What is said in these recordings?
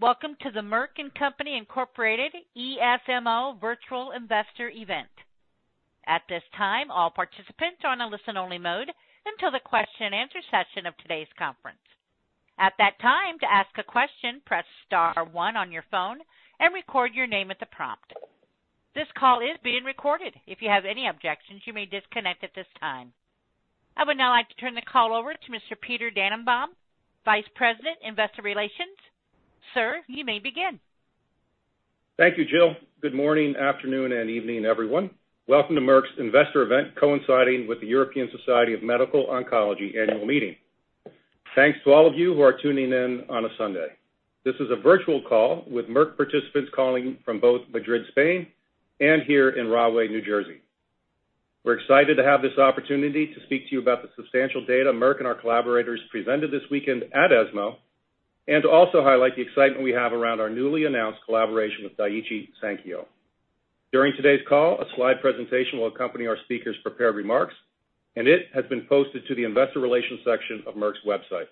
Welcome to the Merck & Company Incorporated ESMO Virtual Investor Event. At this time, all participants are on a listen-only mode until the question and answer session of today's conference. At that time, to ask a question, press star one on your phone and record your name at the prompt. This call is being recorded. If you have any objections, you may disconnect at this time. I would now like to turn the call over to Mr. Peter Dannenbaum, Vice President, Investor Relations. Sir, you may begin. Thank you, [Jill]. Good morning, afternoon, and evening, everyone. Welcome to Merck's Investor Event, coinciding with the European Society of Medical Oncology annual meeting. Thanks to all of you who are tuning in on a Sunday. This is a virtual call with Merck participants calling from both Madrid, Spain, and here in Rahway, New Jersey. We're excited to have this opportunity to speak to you about the substantial data Merck and our collaborators presented this weekend at ESMO, and to also highlight the excitement we have around our newly announced collaboration with Daiichi Sankyo. During today's call, a slide presentation will accompany our speakers' prepared remarks, and it has been posted to the investor relations section of Merck's website.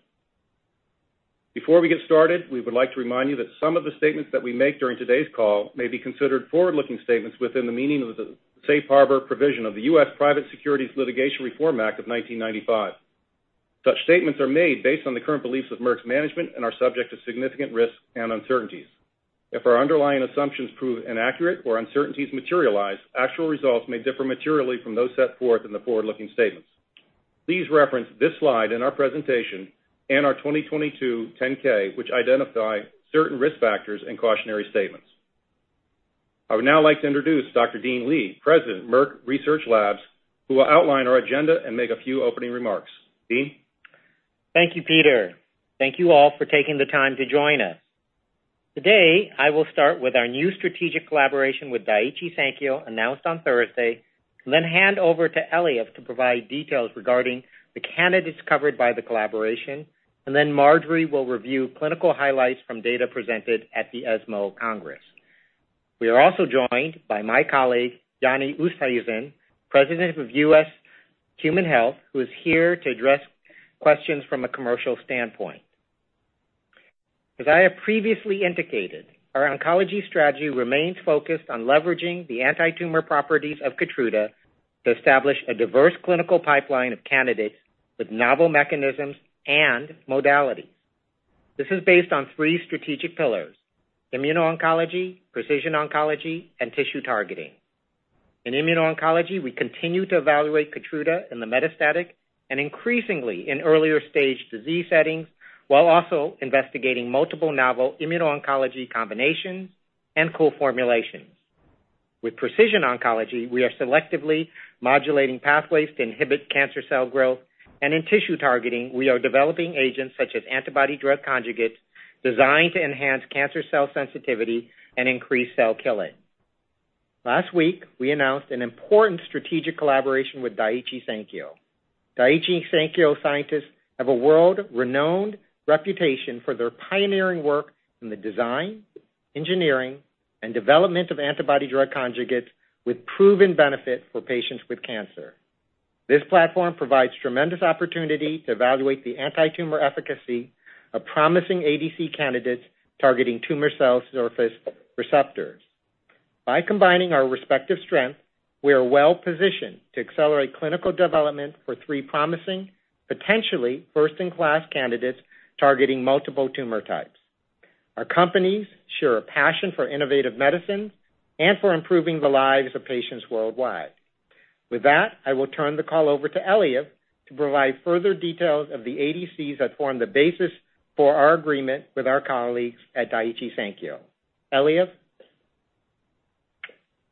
Before we get started, we would like to remind you that some of the statements that we make during today's call may be considered forward-looking statements within the meaning of the Safe Harbor provision of the U.S. Private Securities Litigation Reform Act of 1995. Such statements are made based on the current beliefs of Merck's management and are subject to significant risks and uncertainties. If our underlying assumptions prove inaccurate or uncertainties materialize, actual results may differ materially from those set forth in the forward-looking statements. Please reference this slide in our presentation and our 2022 10-K, which identify certain risk factors and cautionary statements. I would now like to introduce Dr. Dean Li, President, Merck Research Labs, who will outline our agenda and make a few opening remarks. Dean? Thank you, Peter. Thank you all for taking the time to join us. Today, I will start with our new strategic collaboration with Daiichi Sankyo, announced on Thursday, then hand over to Eliav to provide details regarding the candidates covered by the collaboration, and Marjorie will review clinical highlights from data presented at the ESMO Congress. We are also joined by my colleague, Jannie Oosthuizen, President of U.S. Human Health, who is here to address questions from a commercial standpoint. As I have previously indicated, our oncology strategy remains focused on leveraging the anti-tumor properties of Keytruda to establish a diverse clinical pipeline of candidates with novel mechanisms and modalities. This is based on three strategic pillars: immuno-oncology, precision oncology, and tissue targeting. In immuno-oncology, we continue to evaluate Keytruda in the metastatic and increasingly in earlier stage disease settings, while also investigating multiple novel immuno-oncology combinations and co-formulations. With precision oncology, we are selectively modulating pathways to inhibit cancer cell growth, and in tissue targeting, we are developing agents such as antibody-drug conjugates, designed to enhance cancer cell sensitivity and increase cell killing. Last week, we announced an important strategic collaboration with Daiichi Sankyo. Daiichi Sankyo scientists have a world-renowned reputation for their pioneering work in the design, engineering, and development of antibody-drug conjugates with proven benefit for patients with cancer. This platform provides tremendous opportunity to evaluate the anti-tumor efficacy of promising ADC candidates targeting tumor cell surface receptors. By combining our respective strengths, we are well-positioned to accelerate clinical development for three promising, potentially first-in-class candidates targeting multiple tumor types. Our companies share a passion for innovative medicine and for improving the lives of patients worldwide. With that, I will turn the call over to Eliav to provide further details of the ADCs that form the basis for our agreement with our colleagues at Daiichi Sankyo. Eliav?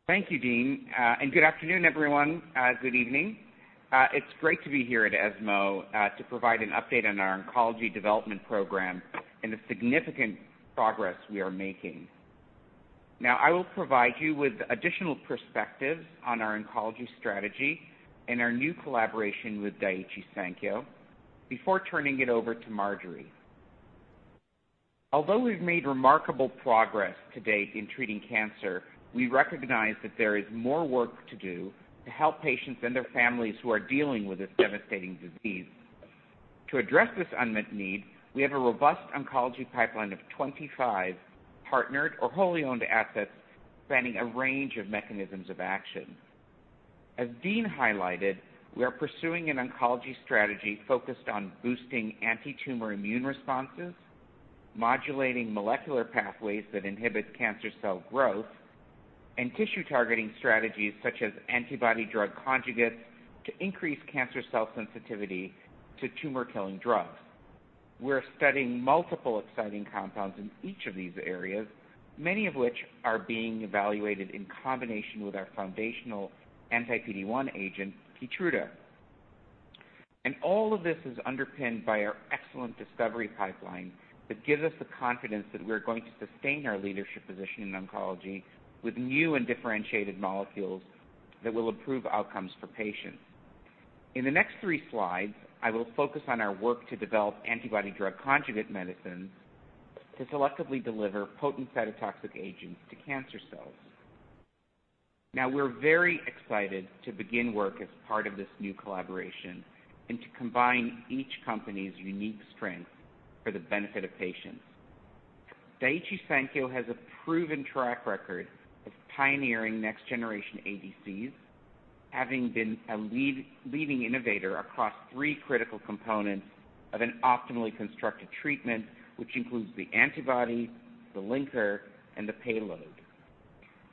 Thank you, Dean, and good afternoon, everyone. Good evening. It's great to be here at ESMO, to provide an update on our oncology development program and the significant progress we are making. Now, I will provide you with additional perspectives on our oncology strategy and our new collaboration with Daiichi Sankyo before turning it over to Marjorie. Although we've made remarkable progress to date in treating cancer, we recognize that there is more work to do to help patients and their families who are dealing with this devastating disease. To address this unmet need, we have a robust oncology pipeline of 25 partnered or wholly owned assets spanning a range of mechanisms of action. As Dean highlighted, we are pursuing an oncology strategy focused on boosting anti-tumor immune responses, modulating molecular pathways that inhibit cancer cell growth, and tissue-targeting strategies such as antibody-drug conjugates, to increase cancer cell sensitivity to tumor-killing drugs. We're studying multiple exciting compounds in each of these areas, many of which are being evaluated in combination with our foundational anti-PD-1 agent, Keytruda. All of this is underpinned by our excellent discovery pipeline that gives us the confidence that we're going to sustain our leadership position in oncology with new and differentiated molecules that will improve outcomes for patients. In the next three slides, I will focus on our work to develop antibody-drug conjugate medicines to selectively deliver potent cytotoxic agents to cancer cells. Now, we're very excited to begin work as part of this new collaboration and to combine each company's unique strengths for the benefit of patients. Daiichi Sankyo has a proven track record of pioneering next-generation ADCs, having been a leading innovator across three critical components of an optimally constructed treatment, which includes the antibody, the linker, and the payload.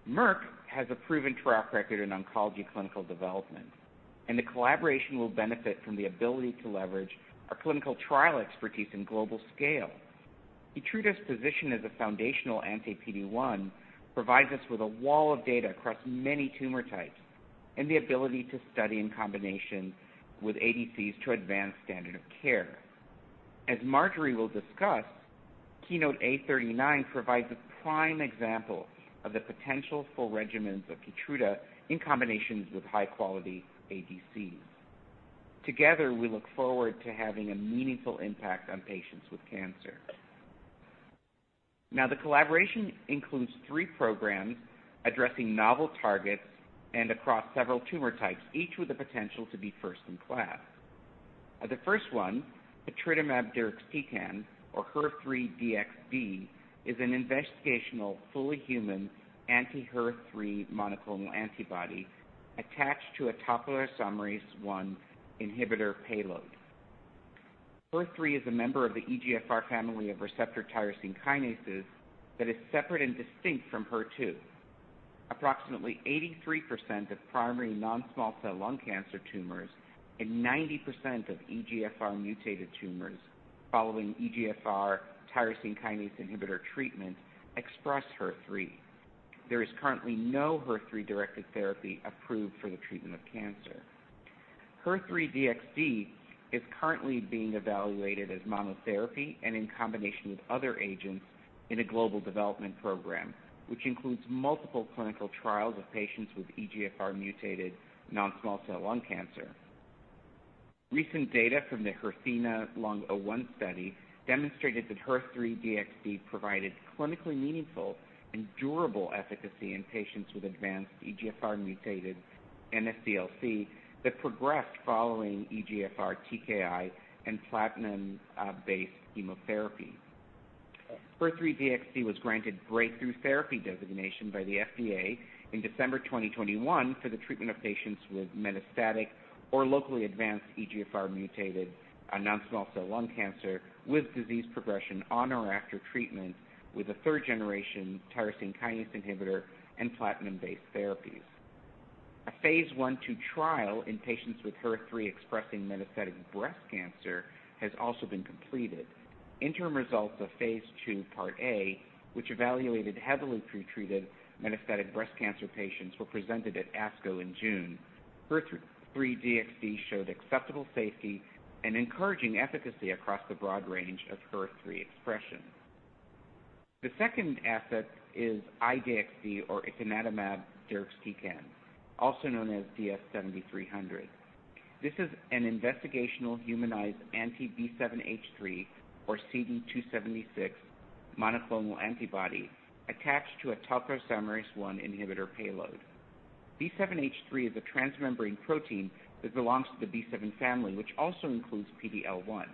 Merck has a proven track record in oncology clinical development, and the collaboration will benefit from the ability to leverage our clinical trial expertise in global scale. Keytruda's position as a foundational anti-PD-1 provides us with a wall of data across many tumor types and the ability to study in combination with ADCs to advance standard of care. As Marjorie will discuss, KEYNOTE-A39 provides a prime example of the potential full regimens of Keytruda in combinations with high-quality ADCs. Together, we look forward to having a meaningful impact on patients with cancer. Now, the collaboration includes three programs addressing novel targets and across several tumor types, each with the potential to be first in class. The first one, patritumab deruxtecan, or HER3-DXd, is an investigational fully human anti-HER3 monoclonal antibody attached to a topoisomerase I inhibitor payload. HER3 is a member of the EGFR family of receptor tyrosine kinases that is separate and distinct from HER2. Approximately 83% of primary non-small cell lung cancer tumors and 90% of EGFR mutated tumors following EGFR tyrosine kinase inhibitor treatment express HER3. There is currently no HER3-directed therapy approved for the treatment of cancer. HER3-DXd is currently being evaluated as monotherapy and in combination with other agents in a global development program, which includes multiple clinical trials of patients with EGFR mutated non-small cell lung cancer. Recent data from the HERTHENA-Lung01 study demonstrated that HER3-DXd provided clinically meaningful and durable efficacy in patients with advanced EGFR mutated NSCLC that progressed following EGFR TKI and platinum-based chemotherapy. HER3-DXd was granted breakthrough therapy designation by the FDA in December 2021 for the treatment of patients with metastatic or locally advanced EGFR mutated non-small cell lung cancer with disease progression on or after treatment with a third-generation tyrosine kinase inhibitor and platinum-based therapies. A phase I/II trial in patients with HER3-expressing metastatic breast cancer has also been completed. Interim results of phase II, part A, which evaluated heavily pretreated metastatic breast cancer patients, were presented at ASCO in June. HER3-DXd showed acceptable safety and encouraging efficacy across the broad range of HER3 expression. The second asset is I-DXd, or ifinatamab deruxtecan, also known as DS-7300. This is an investigational humanized anti-B7-H3 or CD276 monoclonal antibody attached to a topoisomerase I inhibitor payload. B7-H3 is a transmembrane protein that belongs to the B7 family, which also includes PD-L1.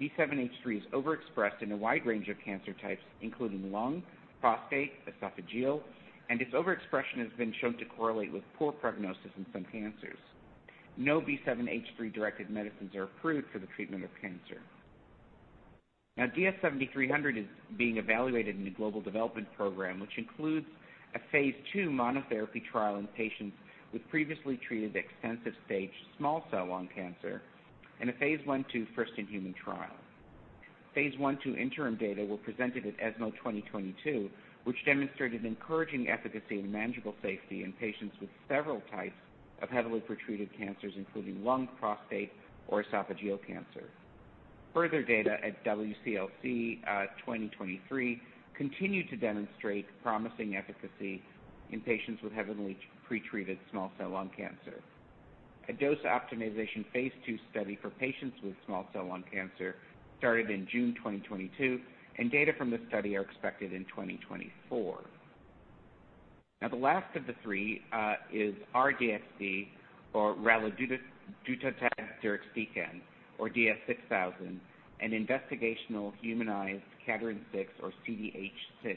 B7-H3 is overexpressed in a wide range of cancer types, including lung, prostate, esophageal, and its overexpression has been shown to correlate with poor prognosis in some cancers. No B7-H3-directed medicines are approved for the treatment of cancer. Now, DS-7300 is being evaluated in a global development program, which includes a phase II monotherapy trial in patients with previously treated extensive stage small cell lung cancer and a phase I/II first-in-human trial. Phase I/II interim data were presented at ESMO 2022, which demonstrated encouraging efficacy and manageable safety in patients with several types of heavily pretreated cancers, including lung, prostate, or esophageal cancer. Further data at WCLC 2023 continued to demonstrate promising efficacy in patients with heavily pretreated small cell lung cancer. A dose optimization phase II study for patients with small cell lung cancer started in June 2022, and data from this study are expected in 2024. Now, the last of the three is R-DXd, or raludotatug deruxtecan, or DS-6000, an investigational humanized cadherin-6 or CDH-6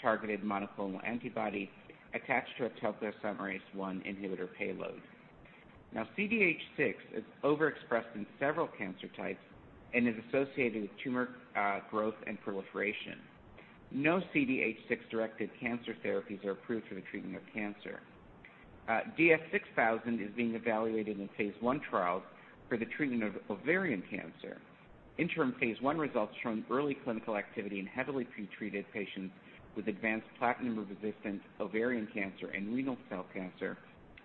targeted monoclonal antibody attached to a topoisomerase I inhibitor payload. Now, CDH-6 is overexpressed in several cancer types and is associated with tumor growth and proliferation. No CDH-6-directed cancer therapies are approved for the treatment of cancer. DS-6000 is being evaluated in phase I trials for the treatment of ovarian cancer. Interim phase I results showing early clinical activity in heavily pretreated patients with advanced platinum-resistant ovarian cancer and renal cell cancer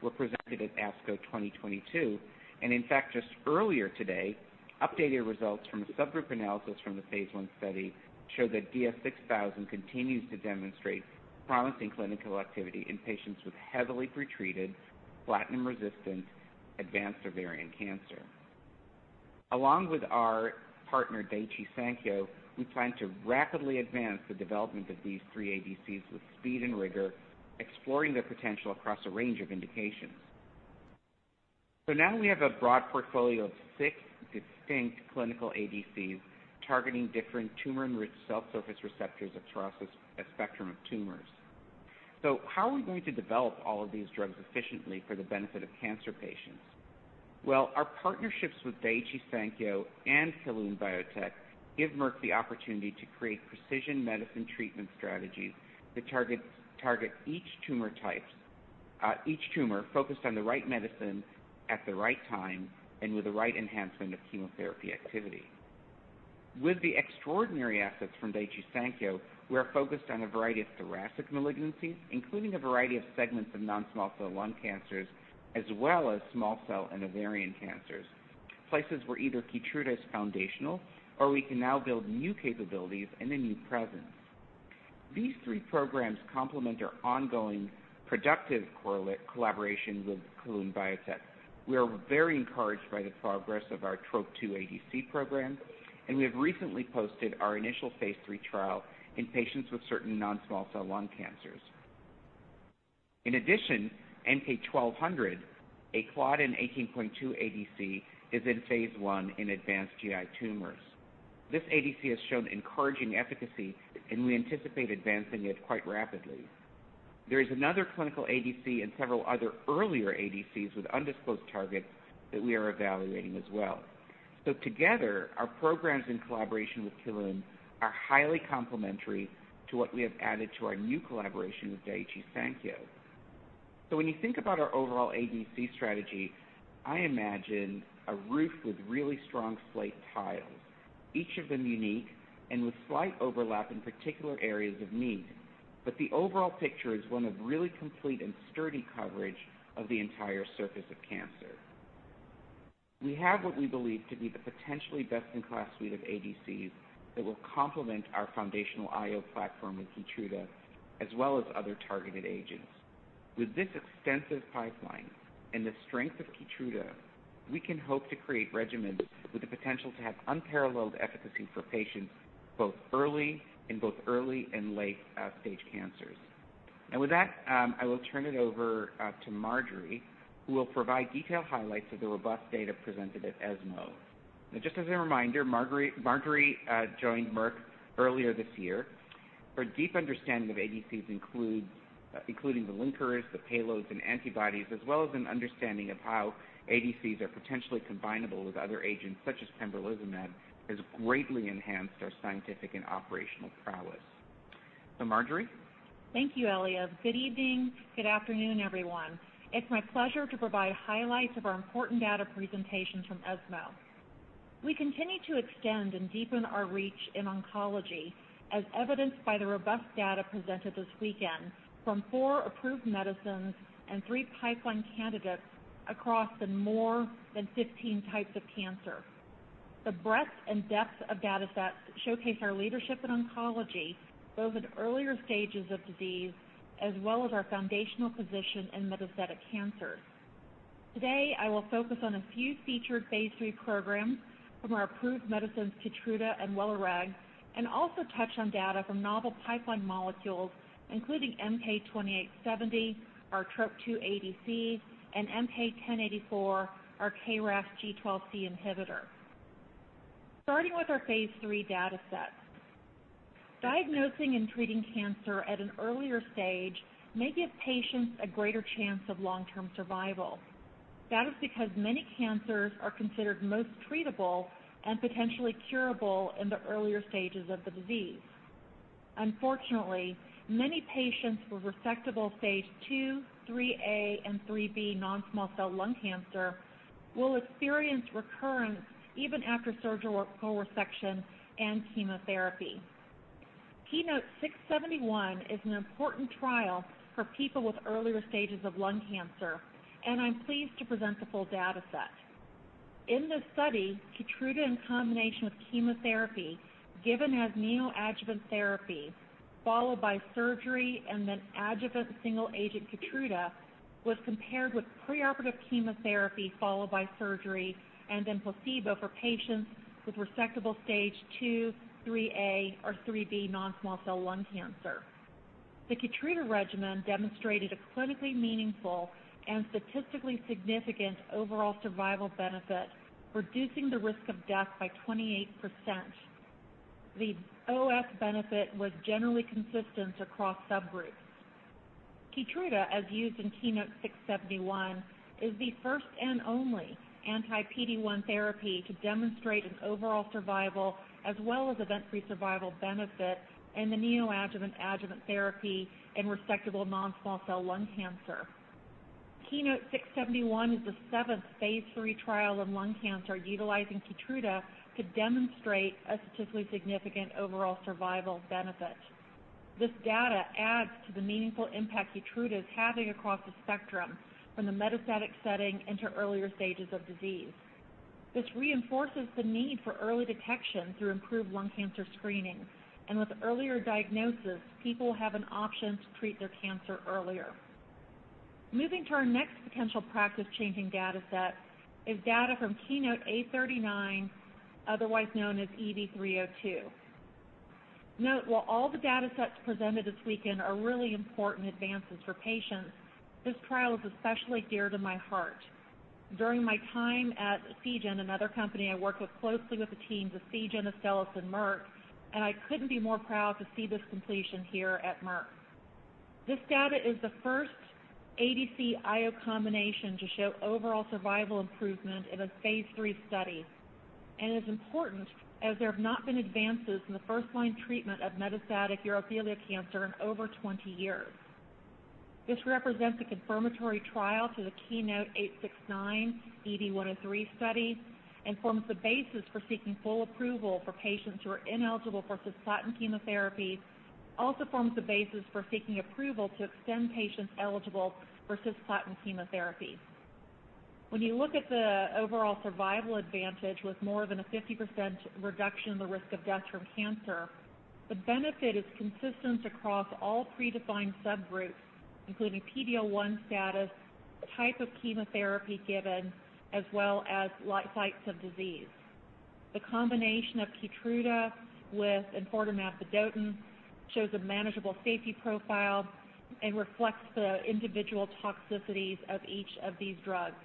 were presented at ASCO 2022. In fact, just earlier today, updated results from a subgroup analysis from the phase I study showed that DS-6000 continues to demonstrate promising clinical activity in patients with heavily pretreated platinum-resistant advanced ovarian cancer. Along with our partner, Daiichi Sankyo, we plan to rapidly advance the development of these three ADCs with speed and rigor, exploring their potential across a range of indications. So now we have a broad portfolio of six distinct clinical ADCs targeting different tumor- and tissue-rich cell surface receptors across a, a spectrum of tumors. So how are we going to develop all of these drugs efficiently for the benefit of cancer patients? Well, our partnerships with Daiichi Sankyo and Kelun-Biotech give Merck the opportunity to create precision medicine treatment strategies that targets, target each tumor types-- each tumor, focused on the right medicine at the right time and with the right enhancement of chemotherapy activity. With the extraordinary assets from Daiichi Sankyo, we are focused on a variety of thoracic malignancies, including a variety of segments of non-small cell lung cancers, as well as small cell and ovarian cancers. Places where either Keytruda is foundational, or we can now build new capabilities and a new presence. These three programs complement our ongoing productive collaboration with Kelun-Biotech. We are very encouraged by the progress of our TROP2 ADC program, and we have recently posted our initial phase III trial in patients with certain non-small cell lung cancers. In addition, MK-1200, a Claudin 18.2 ADC, is in phase I in advanced GI tumors. This ADC has shown encouraging efficacy, and we anticipate advancing it quite rapidly. There is another clinical ADC and several other earlier ADCs with undisclosed targets that we are evaluating as well. So together, our programs in collaboration with Kelun are highly complementary to what we have added to our new collaboration with Daiichi Sankyo. So when you think about our overall ADC strategy, I imagine a roof with really strong slate tiles, each of them unique and with slight overlap in particular areas of need. But the overall picture is one of really complete and sturdy coverage of the entire surface of cancer. We have what we believe to be the potentially best-in-class suite of ADCs that will complement our foundational IO platform with Keytruda, as well as other targeted agents. With this extensive pipeline and the strength of Keytruda, we can hope to create regimens with the potential to have unparalleled efficacy for patients, both early, in both early and late stage cancers. And with that, I will turn it over to Marjorie, who will provide detailed highlights of the robust data presented at ESMO. And just as a reminder, Marjorie joined Merck earlier this year. Her deep understanding of ADCs includes the linkers, the payloads, and antibodies, as well as an understanding of how ADCs are potentially combinable with other agents such as pembrolizumab, has greatly enhanced our scientific and operational prowess. So, Marjorie? Thank you, Elias. Good evening. Good afternoon, everyone. It's my pleasure to provide highlights of our important data presentation from ESMO. We continue to extend and deepen our reach in oncology, as evidenced by the robust data presented this weekend from four approved medicines and three pipeline candidates across the more than 15 types of cancer. The breadth and depth of datasets showcase our leadership in oncology, both in earlier stages of disease, as well as our foundational position in metastatic cancer. Today, I will focus on a few featured phase III programs from our approved medicines, Keytruda and Welireg, and also touch on data from novel pipeline molecules, including MK-2870, our Trop-2 ADC, and MK-1084, our KRAS G12C inhibitor. Starting with our phase III data sets. Diagnosing and treating cancer at an earlier stage may give patients a greater chance of long-term survival. That is because many cancers are considered most treatable and potentially curable in the earlier stages of the disease. Unfortunately, many patients with resectable stage 2, 3A, and 3B non-small cell lung cancer will experience recurrence even after surgical resection and chemotherapy. KEYNOTE-671 is an important trial for people with earlier stages of lung cancer, and I'm pleased to present the full data set. In this study, KEYTRUDA, in combination with chemotherapy, given as neoadjuvant therapy, followed by surgery and then adjuvant single-agent KEYTRUDA, was compared with preoperative chemotherapy followed by surgery and then placebo for patients with resectable stage 2, 3A, or 3B non-small cell lung cancer. The KEYTRUDA regimen demonstrated a clinically meaningful and statistically significant overall survival benefit, reducing the risk of death by 28%. The OS benefit was generally consistent across subgroups. KEYTRUDA, as used in KEYNOTE-671, is the first and only anti-PD-1 therapy to demonstrate an overall survival, as well as event-free survival benefit in the neoadjuvant/adjuvant therapy in resectable non-small cell lung cancer. KEYNOTE-671 is the seventh phase III trial of lung cancer, utilizing KEYTRUDA to demonstrate a statistically significant overall survival benefit. This data adds to the meaningful impact KEYTRUDA is having across the spectrum, from the metastatic setting into earlier stages of disease. This reinforces the need for early detection through improved lung cancer screening. With earlier diagnosis, people have an option to treat their cancer earlier.... Moving to our next potential practice-changing data set is data from KEYNOTE-A39, otherwise known as EV-302. Note, while all the data sets presented this weekend are really important advances for patients, this trial is especially dear to my heart. During my time at Seagen, another company I worked with closely with the teams of Seagen, Astellas, and Merck, and I couldn't be more proud to see this completion here at Merck. This data is the first ADC IO combination to show overall survival improvement in a phase III study. And is important, as there have not been advances in the first-line treatment of metastatic urothelial cancer in over 20 years. This represents a confirmatory trial to the KEYNOTE-869, EV-103 study, and forms the basis for seeking full approval for patients who are ineligible for cisplatin chemotherapy. Also forms the basis for seeking approval to extend patients eligible for cisplatin chemotherapy. When you look at the overall survival advantage with more than a 50% reduction in the risk of death from cancer, the benefit is consistent across all predefined subgroups, including PD-L1 status, the type of chemotherapy given, as well as light sites of disease. The combination of KEYTRUDA with enfortumab vedotin shows a manageable safety profile and reflects the individual toxicities of each of these drugs.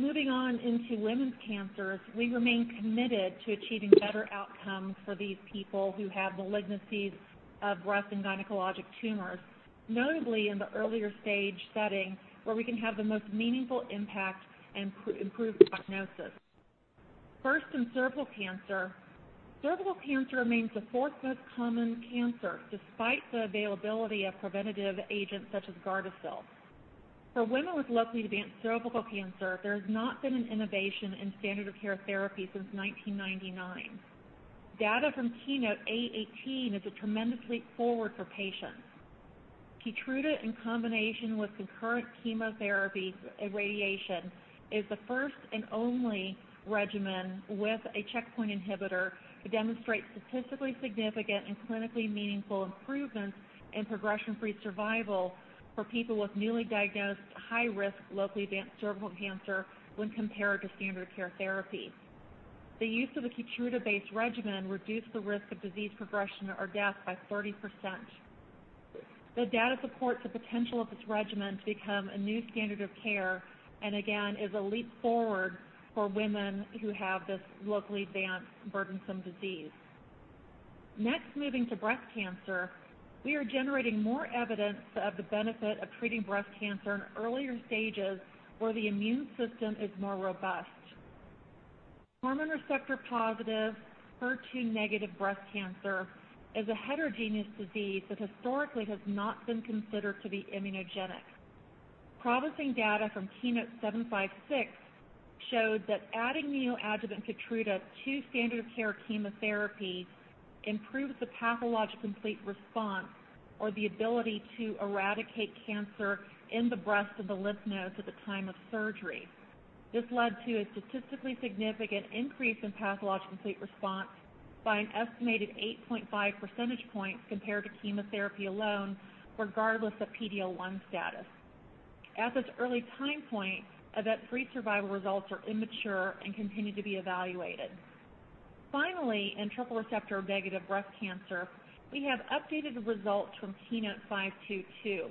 Moving on into women's cancers, we remain committed to achieving better outcomes for these people who have malignancies of breast and gynecologic tumors. Notably, in the earlier stage setting, where we can have the most meaningful impact and improve prognosis. First, in cervical cancer. Cervical cancer remains the fourth most common cancer, despite the availability of preventative agents such as GARDASIL. For women with locally advanced cervical cancer, there has not been an innovation in standard of care therapy since 1999. Data from KEYNOTE-A18 is a tremendous step forward for patients. KEYTRUDA, in combination with concurrent chemotherapy and radiation, is the first and only regimen with a checkpoint inhibitor to demonstrate statistically significant and clinically meaningful improvements in progression-free survival for people with newly diagnosed, high-risk, locally advanced cervical cancer when compared to standard care therapy. The use of the KEYTRUDA-based regimen reduced the risk of disease progression or death by 30%. The data supports the potential of this regimen to become a new standard of care and again, is a leap forward for women who have this locally advanced, burdensome disease. Next, moving to breast cancer. We are generating more evidence of the benefit of treating breast cancer in earlier stages where the immune system is more robust. Hormone receptor-positive, HER2-negative breast cancer is a heterogeneous disease that historically has not been considered to be immunogenic. Promising data from KEYNOTE-756 showed that adding neoadjuvant KEYTRUDA to standard of care chemotherapy improves the pathologic complete response or the ability to eradicate cancer in the breast and the lymph nodes at the time of surgery. This led to a statistically significant increase in pathologic complete response by an estimated 8.5 percentage points compared to chemotherapy alone, regardless of PD-L1 status. At this early time point, event-free survival results are immature and continue to be evaluated. Finally, in triple-negative breast cancer, we have updated the results from KEYNOTE-522.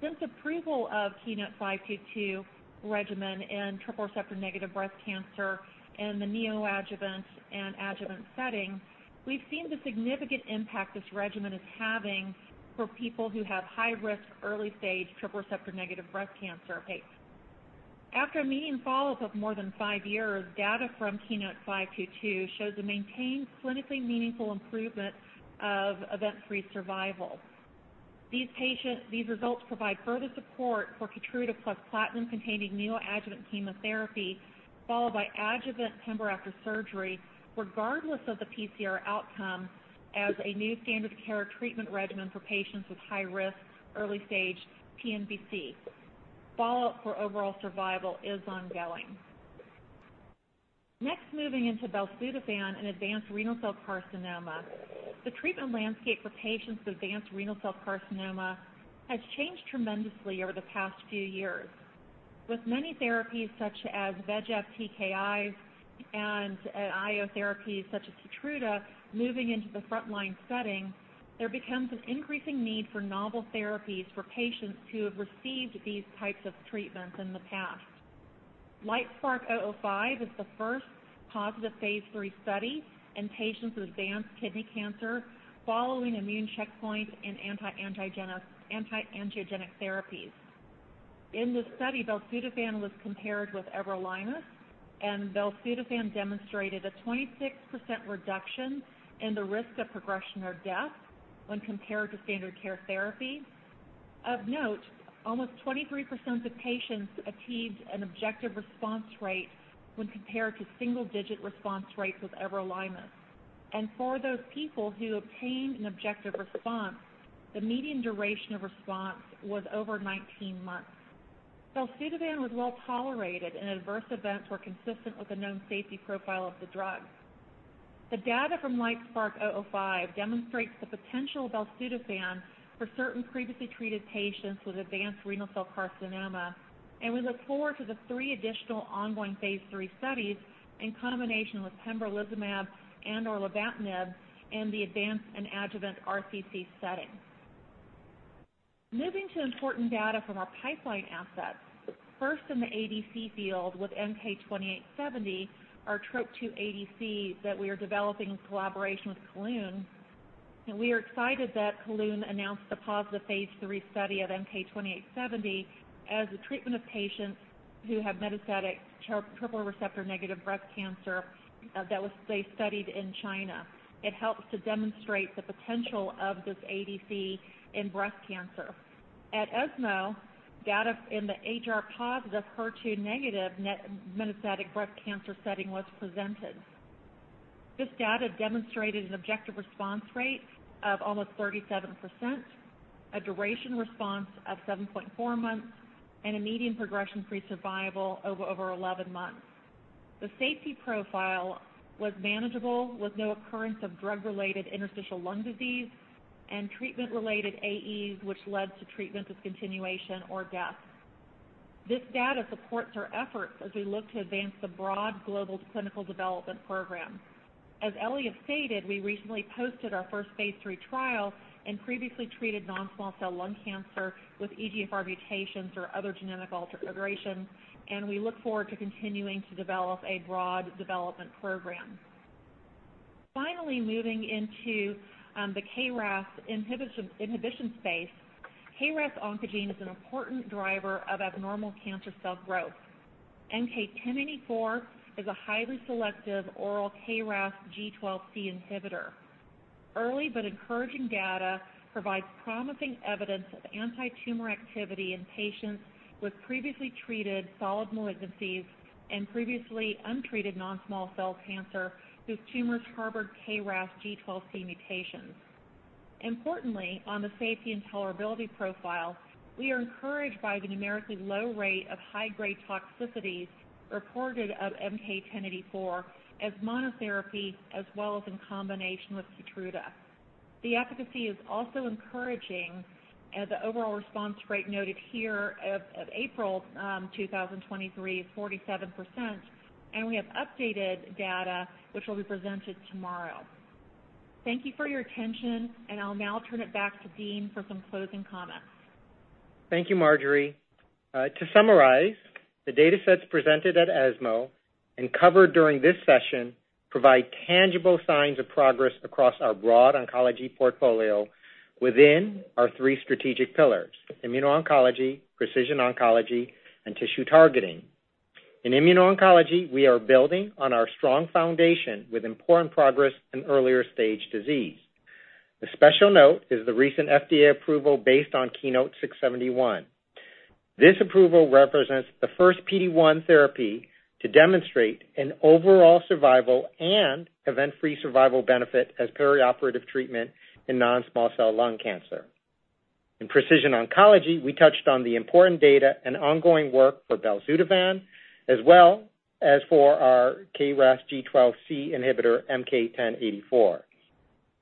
Since approval of KEYNOTE-522 regimen in triple-negative breast cancer in the neoadjuvant and adjuvant setting, we've seen the significant impact this regimen is having for people who have high risk, early-stage triple-negative breast cancer patients. After a median follow-up of more than five years, data from KEYNOTE-522 shows a maintained clinically meaningful improvement of event-free survival. These results provide further support for KEYTRUDA plus platinum-containing neoadjuvant chemotherapy, followed by adjuvant pembro after surgery, regardless of the PCR outcome, as a new standard of care treatment regimen for patients with high risk, early-stage TNBC. Follow-up for overall survival is ongoing. Next, moving into belzutifan in advanced renal cell carcinoma. The treatment landscape for patients with advanced renal cell carcinoma has changed tremendously over the past few years. With many therapies, such as VEGF-TKIs and IO therapies such as KEYTRUDA, moving into the front-line setting, there becomes an increasing need for novel therapies for patients who have received these types of treatments in the past. LITESPARK-005 is the first positive phase III study in patients with advanced kidney cancer following immune checkpoint and anti-angiogenic therapies. In this study, belzutifan was compared with everolimus, and belzutifan demonstrated a 26% reduction in the risk of progression or death when compared to standard care therapy. Of note, almost 23% of patients achieved an objective response rate when compared to single-digit response rates with everolimus. And for those people who obtained an objective response, the median duration of response was over 19 months. Belzutifan was well-tolerated, and adverse events were consistent with the known safety profile of the drug. The data from LITESPARK-005 demonstrates the potential of belzutifan for certain previously treated patients with advanced renal cell carcinoma, and we look forward to the three additional ongoing phase III studies in combination with pembrolizumab and/or nivolumab in the advanced and adjuvant RCC setting. Moving to important data from our pipeline assets. First, in the ADC field with MK-2870, our TROP2 ADC that we are developing in collaboration with Kelun-Biotech. We are excited that Kelun-Biotech announced the positive phase III study of MK-2870 as a treatment of patients who have metastatic triple-negative breast cancer, that they studied in China. It helps to demonstrate the potential of this ADC in breast cancer. At ESMO, data in the HR-positive, HER2-negative metastatic breast cancer setting was presented. This data demonstrated an objective response rate of almost 37%, a duration of response of 7.4 months, and a median progression-free survival of over 11 months. The safety profile was manageable, with no occurrence of drug-related interstitial lung disease and treatment-related AEs, which led to treatment discontinuation or death. This data supports our efforts as we look to advance the broad global clinical development program. As Eliav stated, we recently posted our first phase III trial in previously treated non-small cell lung cancer with EGFR mutations or other genetic alterations, and we look forward to continuing to develop a broad development program. Finally, moving into the KRAS inhibition space. KRAS oncogene is an important driver of abnormal cancer cell growth. MK-1084 is a highly selective oral KRAS G12C inhibitor. Early but encouraging data provides promising evidence of antitumor activity in patients with previously treated solid malignancies and previously untreated non-small cell cancer, whose tumors harbored KRAS G12C mutations. Importantly, on the safety and tolerability profile, we are encouraged by the numerically low rate of high-grade toxicities reported of MK-1084 as monotherapy, as well as in combination with Keytruda. The efficacy is also encouraging, as the overall response rate noted here as of April 2023 is 47%, and we have updated data, which will be presented tomorrow. Thank you for your attention, and I'll now turn it back to Dean for some closing comments. Thank you, Marjorie. To summarize, the data sets presented at ESMO and covered during this session provide tangible signs of progress across our broad oncology portfolio within our three strategic pillars: immuno-oncology, precision oncology, and tissue targeting. In immuno-oncology, we are building on our strong foundation with important progress in earlier stage disease. A special note is the recent FDA approval based on KEYNOTE-671. This approval represents the first PD-1 therapy to demonstrate an overall survival and event-free survival benefit as perioperative treatment in non-small cell lung cancer. In precision oncology, we touched on the important data and ongoing work for Belzutifan, as well as for our KRAS G12C inhibitor, MK-1084.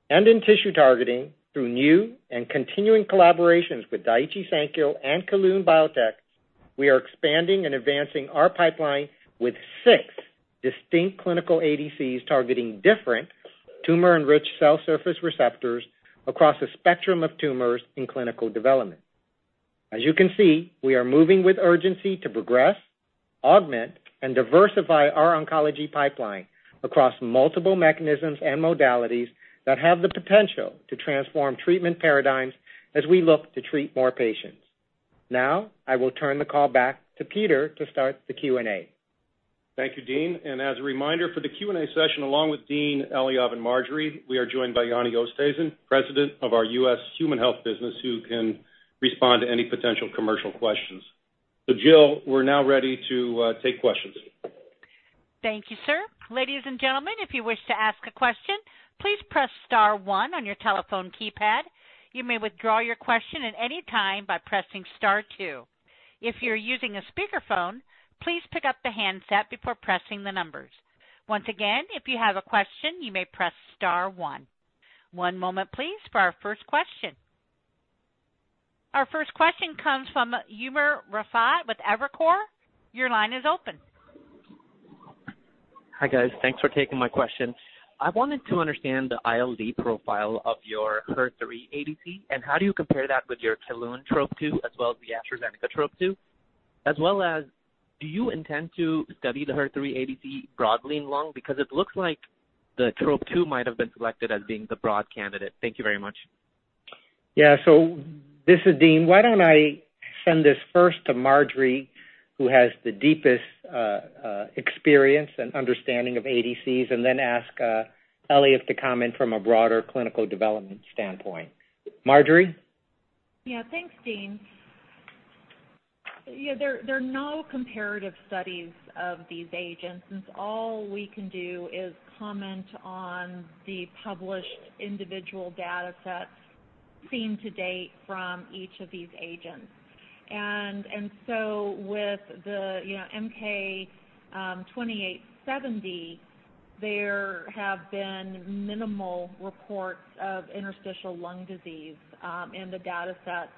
In tissue targeting, through new and continuing collaborations with Daiichi Sankyo and Kelun-Biotech, we are expanding and advancing our pipeline with six distinct clinical ADCs targeting different tumor-enriched cell surface receptors across a spectrum of tumors in clinical development. As you can see, we are moving with urgency to progress, augment, and diversify our oncology pipeline across multiple mechanisms and modalities that have the potential to transform treatment paradigms as we look to treat more patients. Now, I will turn the call back to Peter to start the Q&A. Thank you, Dean. As a reminder, for the Q&A session, along with Dean, Eliav, and Marjorie, we are joined by Jannie Oosthuizen, President of our US Human Health business, who can respond to any potential commercial questions. So [Jill], we're now ready to take questions. Thank you, sir. Ladies and gentlemen, if you wish to ask a question, please press star one on your telephone keypad. You may withdraw your question at any time by pressing star two. If you're using a speakerphone, please pick up the handset before pressing the numbers. Once again, if you have a question, you may press star one. One moment please for our first question. Our first question comes from Umer Raffat with Evercore. Your line is open. Hi, guys. Thanks for taking my question. I wanted to understand the ILD profile of your HER3 ADC, and how do you compare that with your Kelun TROP2, as well as the AstraZeneca TROP2? As well as, do you intend to study the HER3 ADC broadly in lung? Because it looks like the TROP2 might have been selected as being the broad candidate. Thank you very much. Yeah. So this is Dean. Why don't I send this first to Marjorie, who has the deepest experience and understanding of ADCs, and then ask Eliav to comment from a broader clinical development standpoint. Marjorie? Yeah. Thanks, Dean. Yeah, there are no comparative studies of these agents, and all we can do is comment on the published individual data sets seen to date from each of these agents. And so with the, you know, MK-2870, there have been minimal reports of interstitial lung disease in the data set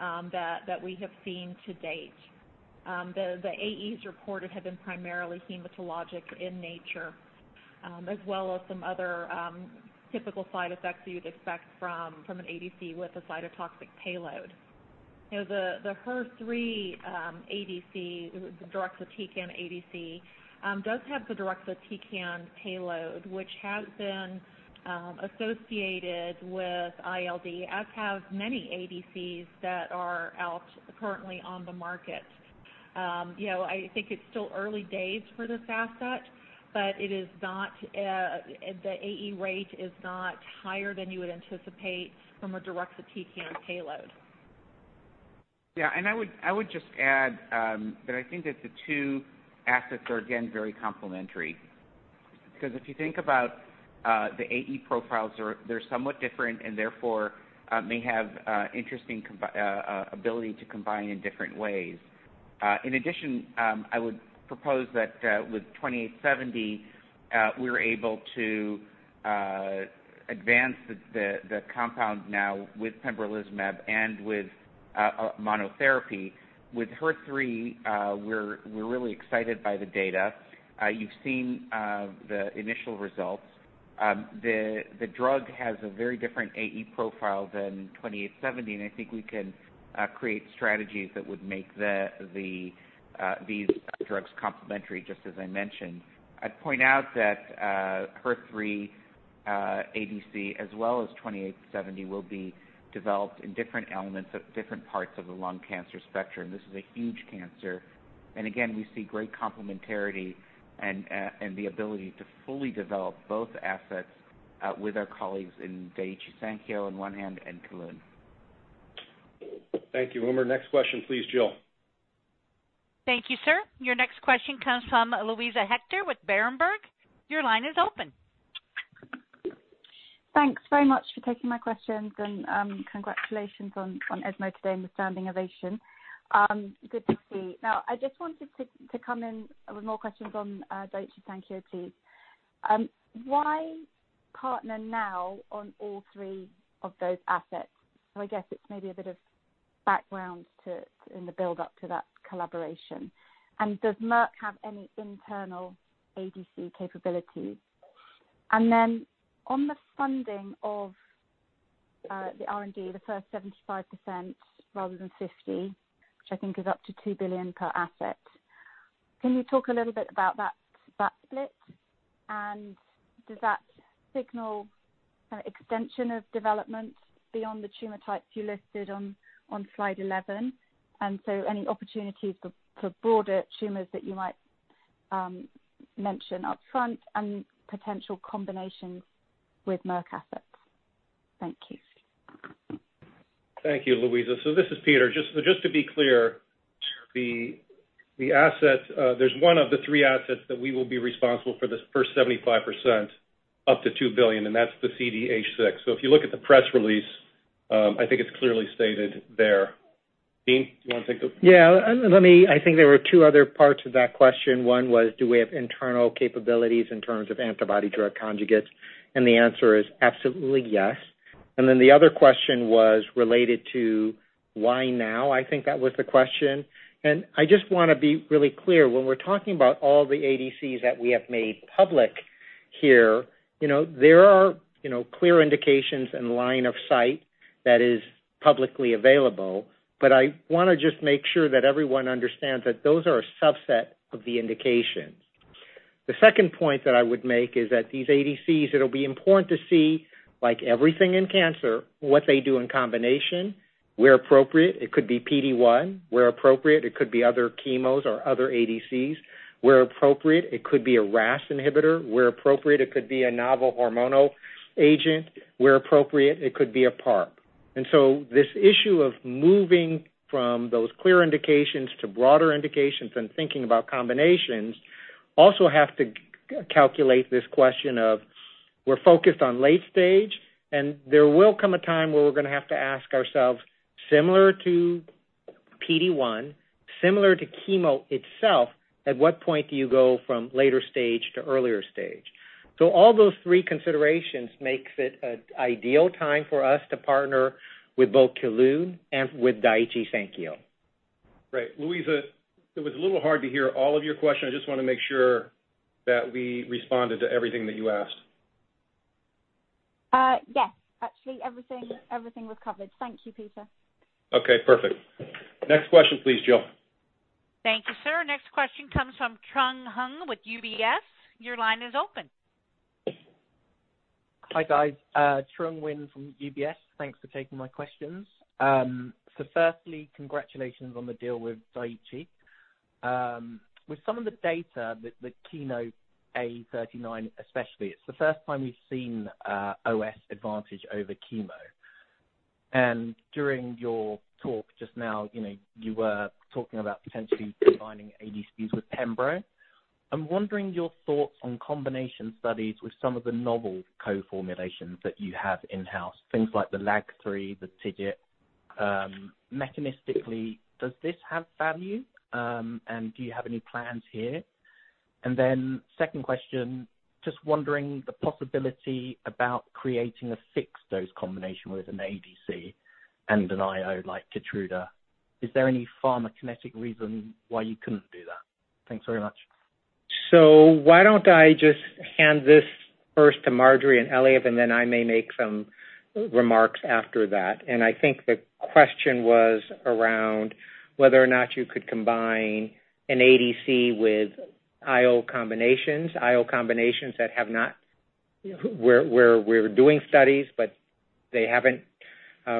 that we have seen to date. The AEs reported have been primarily hematologic in nature, as well as some other typical side effects you'd expect from an ADC with a cytotoxic payload. You know, the HER3 ADC, the deruxtecan ADC, does have the deruxtecan payload, which has been associated with ILD, as have many ADCs that are out currently on the market. You know, I think it's still early days for this asset, but it is not, the AE rate is not higher than you would anticipate from a deruxtecan payload. Yeah, and I would, I would just add, that I think that the two assets are, again, very complementary. Because if you think about, the AE profiles, they're, they're somewhat different, and therefore, may have, interesting ability to combine in different ways. In addition, I would propose that, with 2870, we're able to, advance the compound now with pembrolizumab and with, monotherapy. With HER3, we're really excited by the data. You've seen, the initial results. The drug has a very different AE profile than 2870, and I think we can, create strategies that would make the, these drugs complementary, just as I mentioned. I'd point out that, HER3, ADC, as well as 2870, will be developed in different elements of different parts of the lung cancer spectrum. This is a huge cancer, and again, we see great complementarity and, and the ability to fully develop both assets, with our colleagues in Daiichi Sankyo on one hand, and Kelun. Thank you, Umer. Next question, please, [Jill]. Thank you, sir. Your next question comes from Luisa Hector with Berenberg. Your line is open. Thanks very much for taking my questions, and, congratulations on, on ESMO today and the standing ovation. Good to see. Now, I just wanted to, to come in with more questions on, Daiichi Sankyo, please. Why partner now on all three of those assets? So I guess it's maybe a bit of background to, in the build up to that collaboration. And does Merck have any internal ADC capabilities? And then on the funding of, the R&D, the first 75% rather than 50, which I think is up to $2 billion per asset, can you talk a little bit about that, that split? And does that signal an extension of development beyond the tumor types you listed on, slide 11? And so any opportunities for, broader tumors that you might, mention up front and potential combinations with Merck assets? Thank you. Thank you, Luisa. So this is Peter. Just, so just to be clear, the assets, there's one of the three assets that we will be responsible for the first 75%, up to $2 billion, and that's the CDH6. So if you look at the press release, I think it's clearly stated there. Dean, do you want to take this? Yeah, let me... I think there were two other parts to that question. One was, do we have internal capabilities in terms of antibody drug conjugates? The answer is absolutely yes. Then the other question was related to why now? I think that was the question. And I just want to be really clear, when we're talking about all the ADCs that we have made public here, you know, there are, you know, clear indications and line of sight that is publicly available, but I want to just make sure that everyone understands that those are a subset of the indications. The second point that I would make is that these ADCs, it'll be important to see, like everything in cancer, what they do in combination, where appropriate, it could be PD-1, where appropriate, it could be other chemos or other ADCs. Where appropriate, it could be a RAS inhibitor. Where appropriate, it could be a novel hormonal agent. Where appropriate, it could be a PARP. And so this issue of moving from those clear indications to broader indications and thinking about combinations also have to calculate this question of we're focused on late stage, and there will come a time where we're going to have to ask ourselves, similar to PD-1, similar to chemo itself, at what point do you go from later stage to earlier stage? So all those three considerations makes it an ideal time for us to partner with both Kelun and with Daiichi Sankyo. Great. Luisa, it was a little hard to hear all of your questions. I just want to make sure that we responded to everything that you asked. Yes. Actually, everything, everything was covered. Thank you, Peter. Okay, perfect. Next question, please, [Jill]. Thank you, sir. Next question comes from Trung Huynh with UBS. Your line is open. Hi, guys, Trung Huynh from UBS. Thanks for taking my questions. So firstly, congratulations on the deal with Daiichi. With some of the data, KEYNOTE-A39 especially, it's the first time we've seen OS advantage over chemo. And during your talk just now, you know, you were talking about potentially combining ADCs with pembro.... I'm wondering your thoughts on combination studies with some of the novel co-formulations that you have in-house, things like the LAG-3, the TIGIT. Mechanistically, does this have value? And do you have any plans here? And then second question, just wondering the possibility about creating a fixed-dose combination with an ADC and an IO like Keytruda. Is there any pharmacokinetic reason why you couldn't do that? Thanks very much. So why don't I just hand this first to Marjorie and Eliav, and then I may make some remarks after that. And I think the question was around whether or not you could combine an ADC with IO combinations, IO combinations where we're doing studies, but they haven't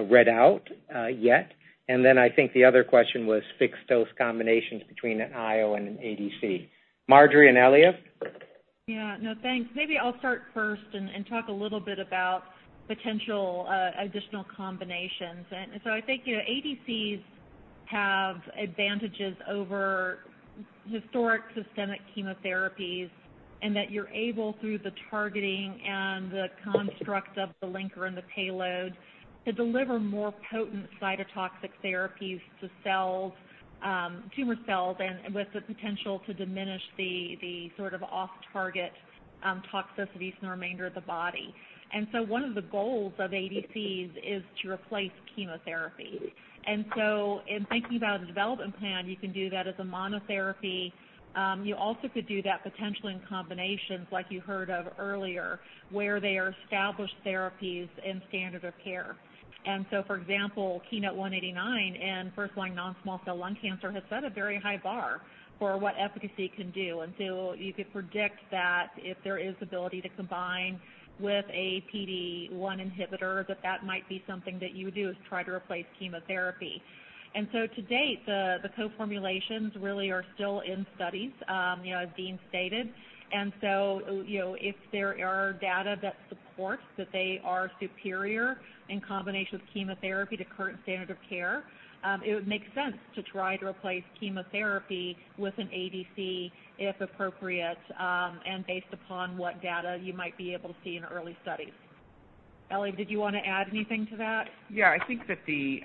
read out yet. And then I think the other question was fixed-dose combinations between an IO and an ADC. Marjorie and Eliav? Yeah, no, thanks. Maybe I'll start first and talk a little bit about potential additional combinations. And so I think, you know, ADCs have advantages over historic systemic chemotherapies, and that you're able, through the targeting and the construct of the linker and the payload, to deliver more potent cytotoxic therapies to cells, tumor cells and with the potential to diminish the sort of off-target toxicities in the remainder of the body. And so one of the goals of ADCs is to replace chemotherapy. And so in thinking about a development plan, you can do that as a monotherapy. You also could do that potentially in combinations like you heard of earlier, where they are established therapies in standard of care. And so, for example, KEYNOTE-189 and first-line non-small cell lung cancer has set a very high bar for what efficacy can do. You could predict that if there is ability to combine with a PD-1 inhibitor, that that might be something that you would do, is try to replace chemotherapy. And so to date, the co-formulations really are still in studies, you know, as Dean stated. And so, you know, if there are data that supports that they are superior in combination with chemotherapy to current standard of care, it would make sense to try to replace chemotherapy with an ADC, if appropriate, and based upon what data you might be able to see in early studies. Eliav, did you want to add anything to that? Yeah, I think that we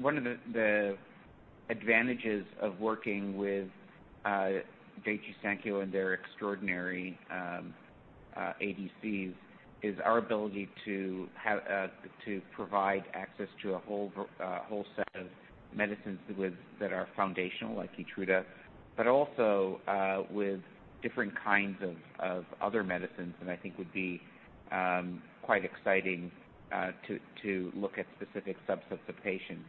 one of the advantages of working with Daiichi Sankyo and their extraordinary ADCs is our ability to provide access to a whole set of medicines that are foundational like Keytruda but also with different kinds of other medicines that I think would be quite exciting to look at specific subsets of patients.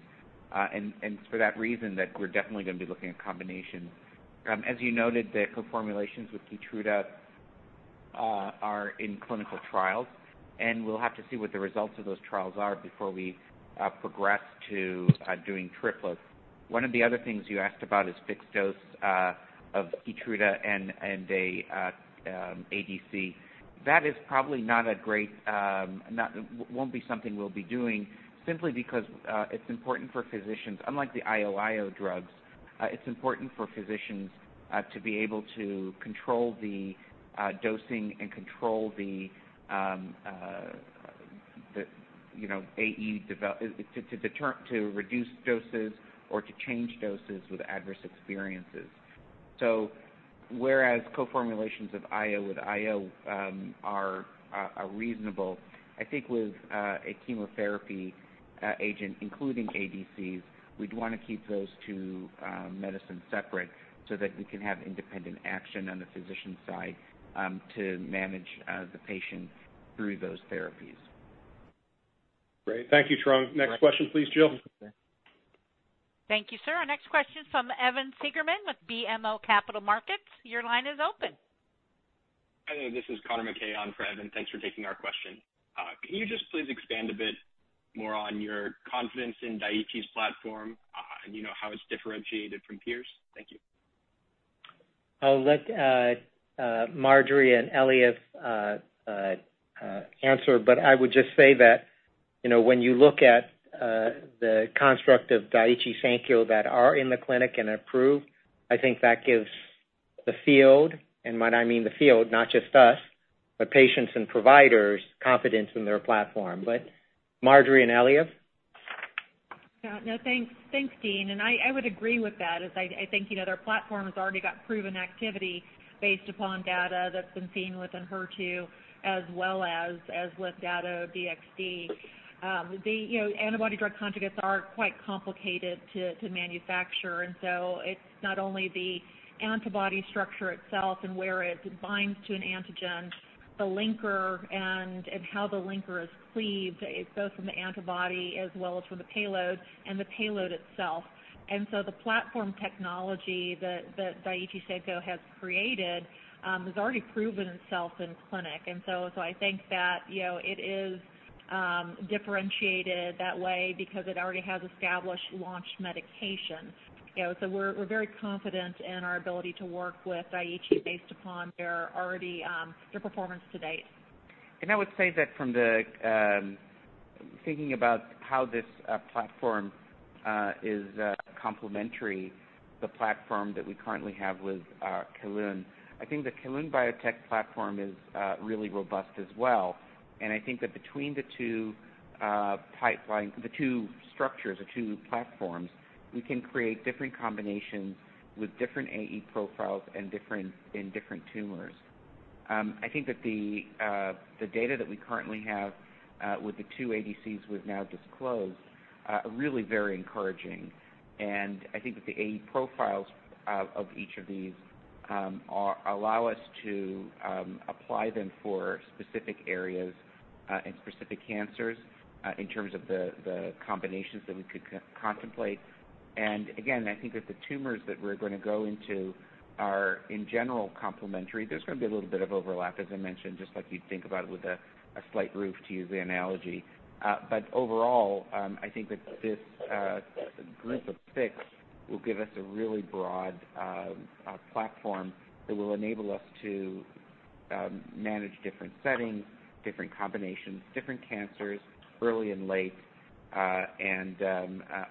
And it's for that reason that we're definitely going to be looking at combinations. As you noted, the co-formulations with Keytruda are in clinical trials, and we'll have to see what the results of those trials are before we progress to doing triplets. One of the other things you asked about is fixed dose of Keytruda and a ADC. That is probably not a great. Won't be something we'll be doing, simply because, it's important for physicians, unlike the IOIO drugs, it's important for physicians, to be able to control the, dosing and control the, the, you know, AE development to determine, to reduce doses or to change doses with adverse experiences. So whereas co-formulations of IO with IO, are reasonable, I think with, a chemotherapy, agent, including ADCs, we'd want to keep those two, medicines separate so that we can have independent action on the physician side, to manage, the patients through those therapies. Great. Thank you, Trung. Right. Next question, please, [Jill]. Thank you, sir. Our next question's from Evan Seigerman with BMO Capital Markets. Your line is open. Hi, this is Conor McKay on for Evan. Thanks for taking our question. Can you just please expand a bit more on your confidence in Daiichi's platform, and you know, how it's differentiated from peers? Thank you. I'll let Marjorie and Eliav answer, but I would just say that, you know, when you look at the construct of Daiichi Sankyo that are in the clinic and approved, I think that gives the field, and when I mean the field, not just us, but patients and providers, confidence in their platform. But Marjorie and Eliav? Yeah. No, thanks. Thanks, Dean, and I would agree with that, as I think, you know, their platform has already got proven activity based upon data that's been seen within HER2, as well as with data DXd. You know, antibody-drug conjugates are quite complicated to manufacture, and so it's not only the antibody structure itself and where it binds to an antigen, the linker and how the linker is cleaved, both from the antibody as well as from the payload, and the payload itself. And so the platform technology that Daiichi Sankyo has created has already proven itself in clinic. So I think that, you know, it is differentiated that way because it already has established launched medications. You know, so we're very confident in our ability to work with Daiichi based upon their already, their performance to date. And I would say that from the thinking about how this platform is complementary, the platform that we currently have with Kelun. I think the Kelun-Biotech platform is really robust as well. And I think that between the two pipeline, the two structures or two platforms, we can create different combinations with different AE profiles and different in different tumors. I think that the data that we currently have with the two ADCs we've now disclosed are really very encouraging. And I think that the AE profiles of each of these are allow us to apply them for specific areas and specific cancers in terms of the combinations that we could contemplate. And again, I think that the tumors that we're gonna go into are, in general, complementary. There's gonna be a little bit of overlap, as I mentioned, just like you'd think about with a slight roof, to use the analogy. But overall, I think that this group of six will give us a really broad platform that will enable us to manage different settings, different combinations, different cancers, early and late, and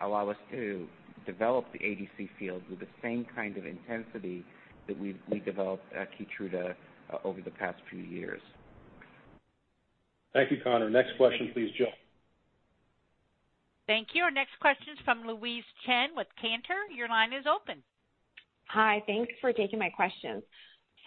allow us to develop the ADC field with the same kind of intensity that we've developed Keytruda over the past few years. Thank you, Connor. Next question, please, [Jill]. Thank you. Our next question is from Louise Chen with Cantor. Your line is open. Hi, thanks for taking my questions.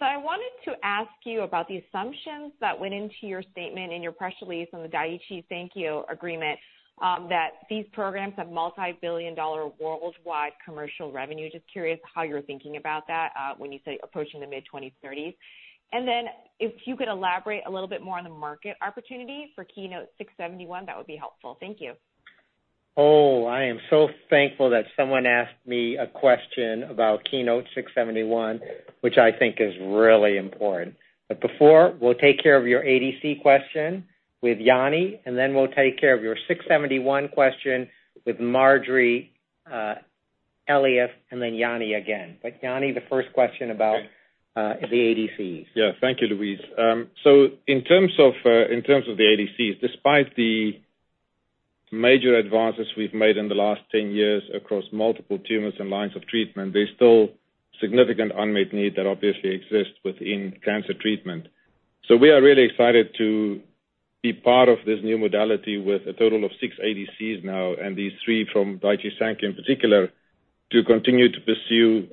I wanted to ask you about the assumptions that went into your statement in your press release on the Daiichi Sankyo agreement, that these programs have $ multi-billion worldwide commercial revenue. Just curious how you're thinking about that, when you say approaching the mid-2030s. Then if you could elaborate a little bit more on the market opportunity for KEYNOTE-671, that would be helpful. Thank you. Oh, I am so thankful that someone asked me a question about KEYNOTE-671, which I think is really important. But before, we'll take care of your ADC question with Jannie, and then we'll take care of your 671 question with Marjorie, Eliav, and then Jannie again. But Jannie, the first question about, the ADCs. Yeah. Thank you, Louise. So in terms of, in terms of the ADCs, despite the major advances we've made in the last 10 years across multiple tumors and lines of treatment, there's still significant unmet need that obviously exists within cancer treatment. So we are really excited to be part of this new modality with a total of 6 ADCs now, and these 3 from Daiichi Sankyo in particular, to continue to pursue,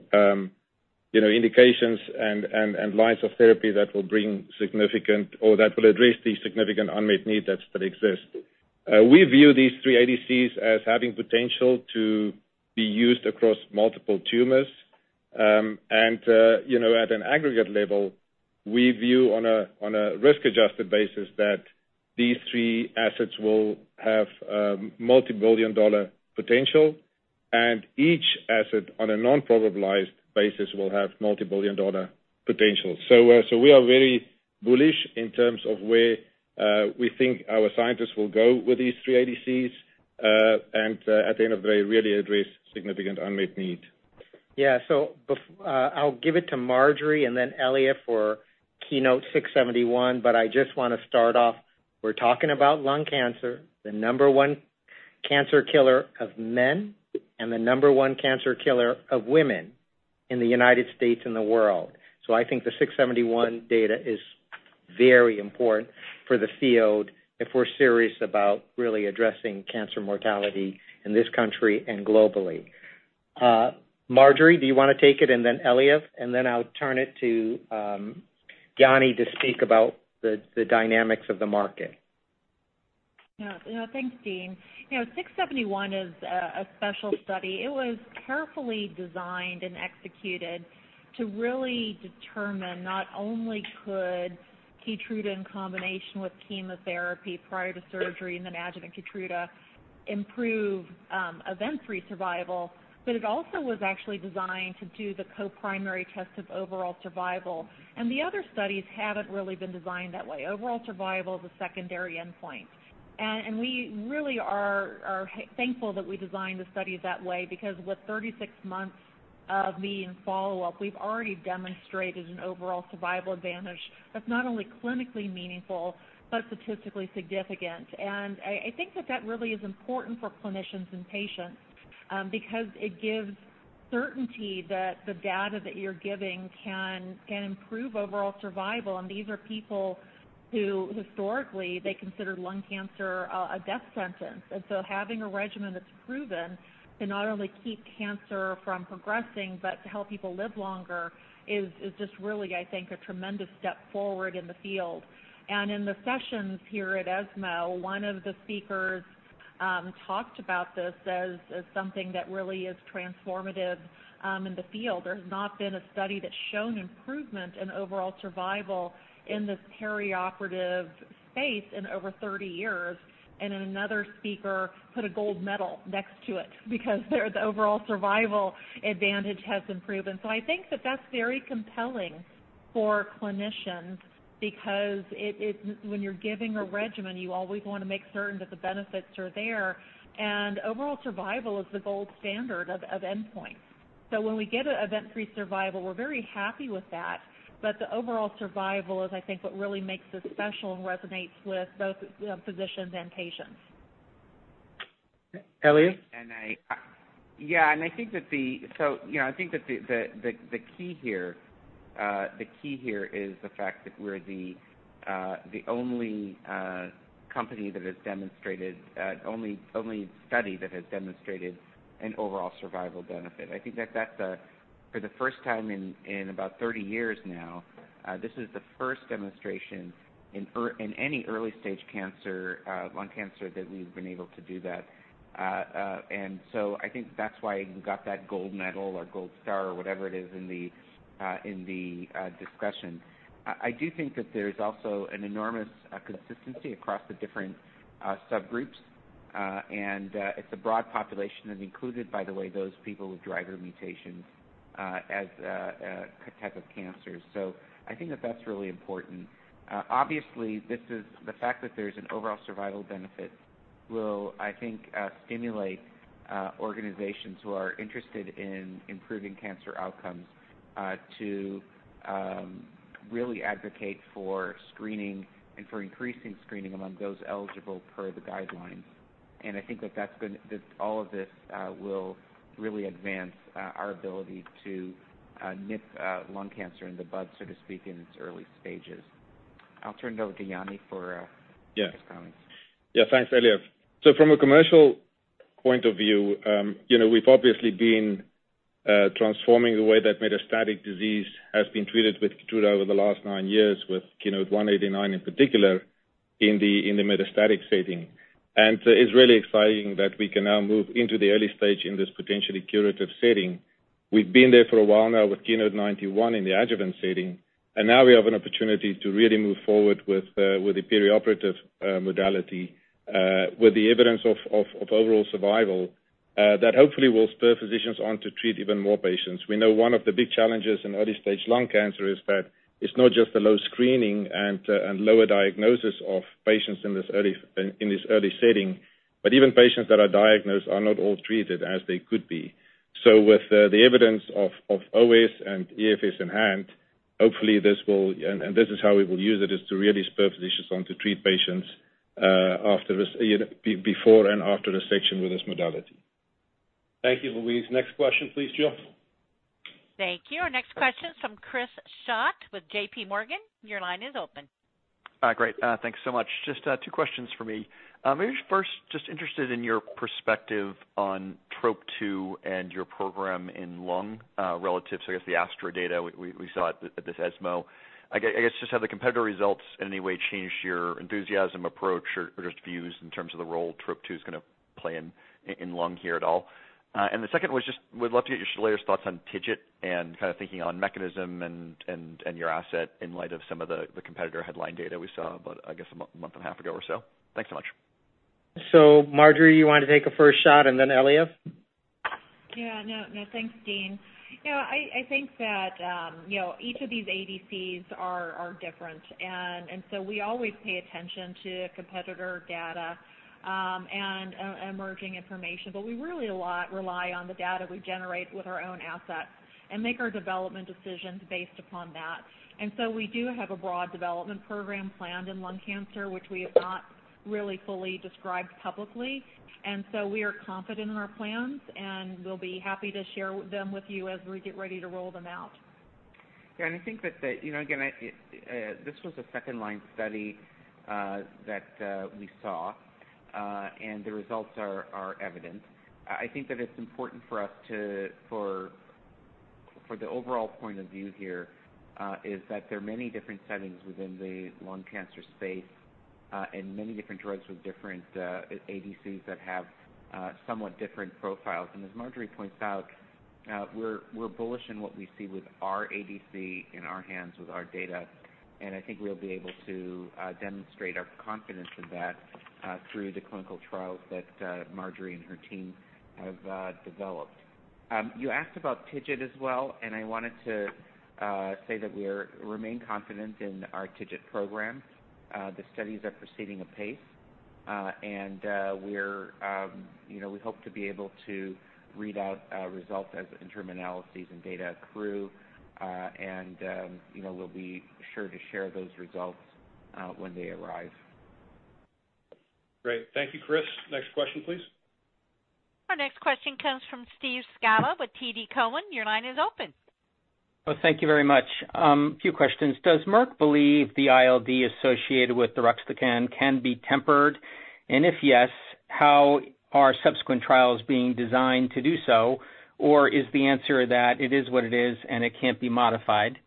you know, indications and lines of therapy that will bring significant or that will address the significant unmet need that exists. We view these three ADCs as having potential to be used across multiple tumors. And, you know, at an aggregate level, we view on a risk-adjusted basis that these three assets will have multi-billion-dollar potential, and each asset, on a non-probabilized basis, will have multi-billion-dollar potential. So, we are very bullish in terms of where we think our scientists will go with these three ADCs, and, at the end of the day, really address significant unmet need. Yeah, so I'll give it to Marjorie and then Eliav for KEYNOTE-671, but I just wanna start off, we're talking about lung cancer, the number one cancer killer of men and the number one cancer killer of women in the United States and the world. So I think the 671 data is very important for the field if we're serious about really addressing cancer mortality in this country and globally. Marjorie, do you wanna take it? And then Eliav, and then I'll turn it to Jannie to speak about the dynamics of the market. Yeah. Yeah, thanks, Dean. You know, 671 is a special study. It was carefully designed and executed to really determine not only could Keytruda in combination with chemotherapy prior to surgery and then adjuvant Keytruda improve event-free survival, but it also was actually designed to do the co-primary test of overall survival. And the other studies haven't really been designed that way. Overall survival is a secondary endpoint, and we really are thankful that we designed the study that way, because with 36 months of median follow-up, we've already demonstrated an overall survival advantage that's not only clinically meaningful, but statistically significant. And I think that that really is important for clinicians and patients, because it gives certainty that the data that you're giving can improve overall survival. These are people who, historically, they considered lung cancer a death sentence. So having a regimen that's proven to not only keep cancer from progressing, but to help people live longer, is, is just really, I think, a tremendous step forward in the field. In the sessions here at ESMO, one of the speakers talked about this as, as something that really is transformative in the field. There has not been a study that's shown improvement in overall survival in this perioperative space in over 30 years, and another speaker put a gold medal next to it because the overall survival advantage has been proven. So I think that that's very compelling for clinicians because it, it, when you're giving a regimen, you always wanna make certain that the benefits are there, and overall survival is the gold standard of, of endpoints. When we get an event-free survival, we're very happy with that, but the overall survival is, I think, what really makes this special and resonates with both, you know, physicians and patients. Eliav? Yeah, and I think that, so, you know, I think that the key here is the fact that we're the only company that has the only study that has demonstrated an overall survival benefit. I think that's for the first time in about 30 years now. This is the first demonstration in any early-stage cancer, lung cancer, that we've been able to do that. And so I think that's why it got that gold medal or gold star or whatever it is in the discussion. I do think that there's also an enormous consistency across the different subgroups. And it's a broad population, and included, by the way, those people with driver mutations as a type of cancer. So I think that that's really important. Obviously, this is the fact that there's an overall survival benefit will, I think, stimulate organizations who are interested in improving cancer outcomes to really advocate for screening and for increasing screening among those eligible per the guidelines. And I think that that's going... That all of this will really advance our ability to nip lung cancer in the bud, so to speak, in its early stages. I'll turn it over to Jannie for- Yeah. Comments. Yeah, thanks, Eliav. So from a commercial point of view, you know, we've obviously been transforming the way that metastatic disease has been treated with Keytruda over the last nine years, with KEYNOTE-189 in particular, in the metastatic setting. And it's really exciting that we can now move into the early stage in this potentially curative setting. We've been there for a while now with KEYNOTE-091 in the adjuvant setting, and now we have an opportunity to really move forward with the perioperative modality with the evidence of overall survival that hopefully will spur physicians on to treat even more patients. We know one of the big challenges in early stage lung cancer is that it's not just the low screening and lower diagnosis of patients in this early setting, but even patients that are diagnosed are not all treated as they could be. So with the evidence of OS and EFS in hand, hopefully, this will. And this is how we will use it, is to really spur physicians on to treat patients after this, you know, before and after the section with this modality. Thank you, Louise. Next question, please, Jill. Thank you. Our next question is from Chris Schott with JPMorgan. Your line is open. Great. Thanks so much. Just two questions for me. Maybe first, just interested in your perspective on TROP2 and your program in lung, relative to, I guess, the Astra data we saw at this ESMO. I guess just have the competitor results in any way changed your enthusiasm, approach, or just views in terms of the role TROP2 is going to play in lung here at all? And the second was just, would love to get your Eliav's thoughts on TIGIT and kind of thinking on mechanism and your asset in light of some of the competitor headline data we saw about, I guess, a month and a half ago or so. Thanks so much. So, Marjorie, you want to take a first shot and then Eliav? Yeah. No, no, thanks, Dean. You know, I think that you know, each of these ADCs are different. And so we always pay attention to competitor data, and emerging information. But we really a lot rely on the data we generate with our own assets and make our development decisions based upon that. And so we do have a broad development program planned in lung cancer, which we have not really fully described publicly. And so we are confident in our plans, and we'll be happy to share them with you as we get ready to roll them out. Yeah, and I think that the, you know, again, this was a second-line study, that we saw, and the results are, are evident. I think that it's important for us to, for, for the overall point of view here, is that there are many different settings within the lung cancer space, and many different drugs with different, ADCs that have, somewhat different profiles. And as Marjorie points out, we're, we're bullish in what we see with our ADC in our hands, with our data, and I think we'll be able to, demonstrate our confidence in that, through the clinical trials that, Marjorie and her team have, developed. You asked about TIGIT as well, and I wanted to, say that we're remain confident in our TIGIT program. The studies are proceeding apace, and you know, we hope to be able to read out results as interim analyses and data accrue. You know, we'll be sure to share those results when they arrive. Great. Thank you, Chris. Next question, please. Our next question comes from Steve Scala with TD Cowen. Your line is open. Well, thank you very much. A few questions. Does Merck believe the ILD associated with the R-DXd can be tempered? And if yes, how are subsequent trials being designed to do so, or is the answer that it is what it is, and it can't be modified?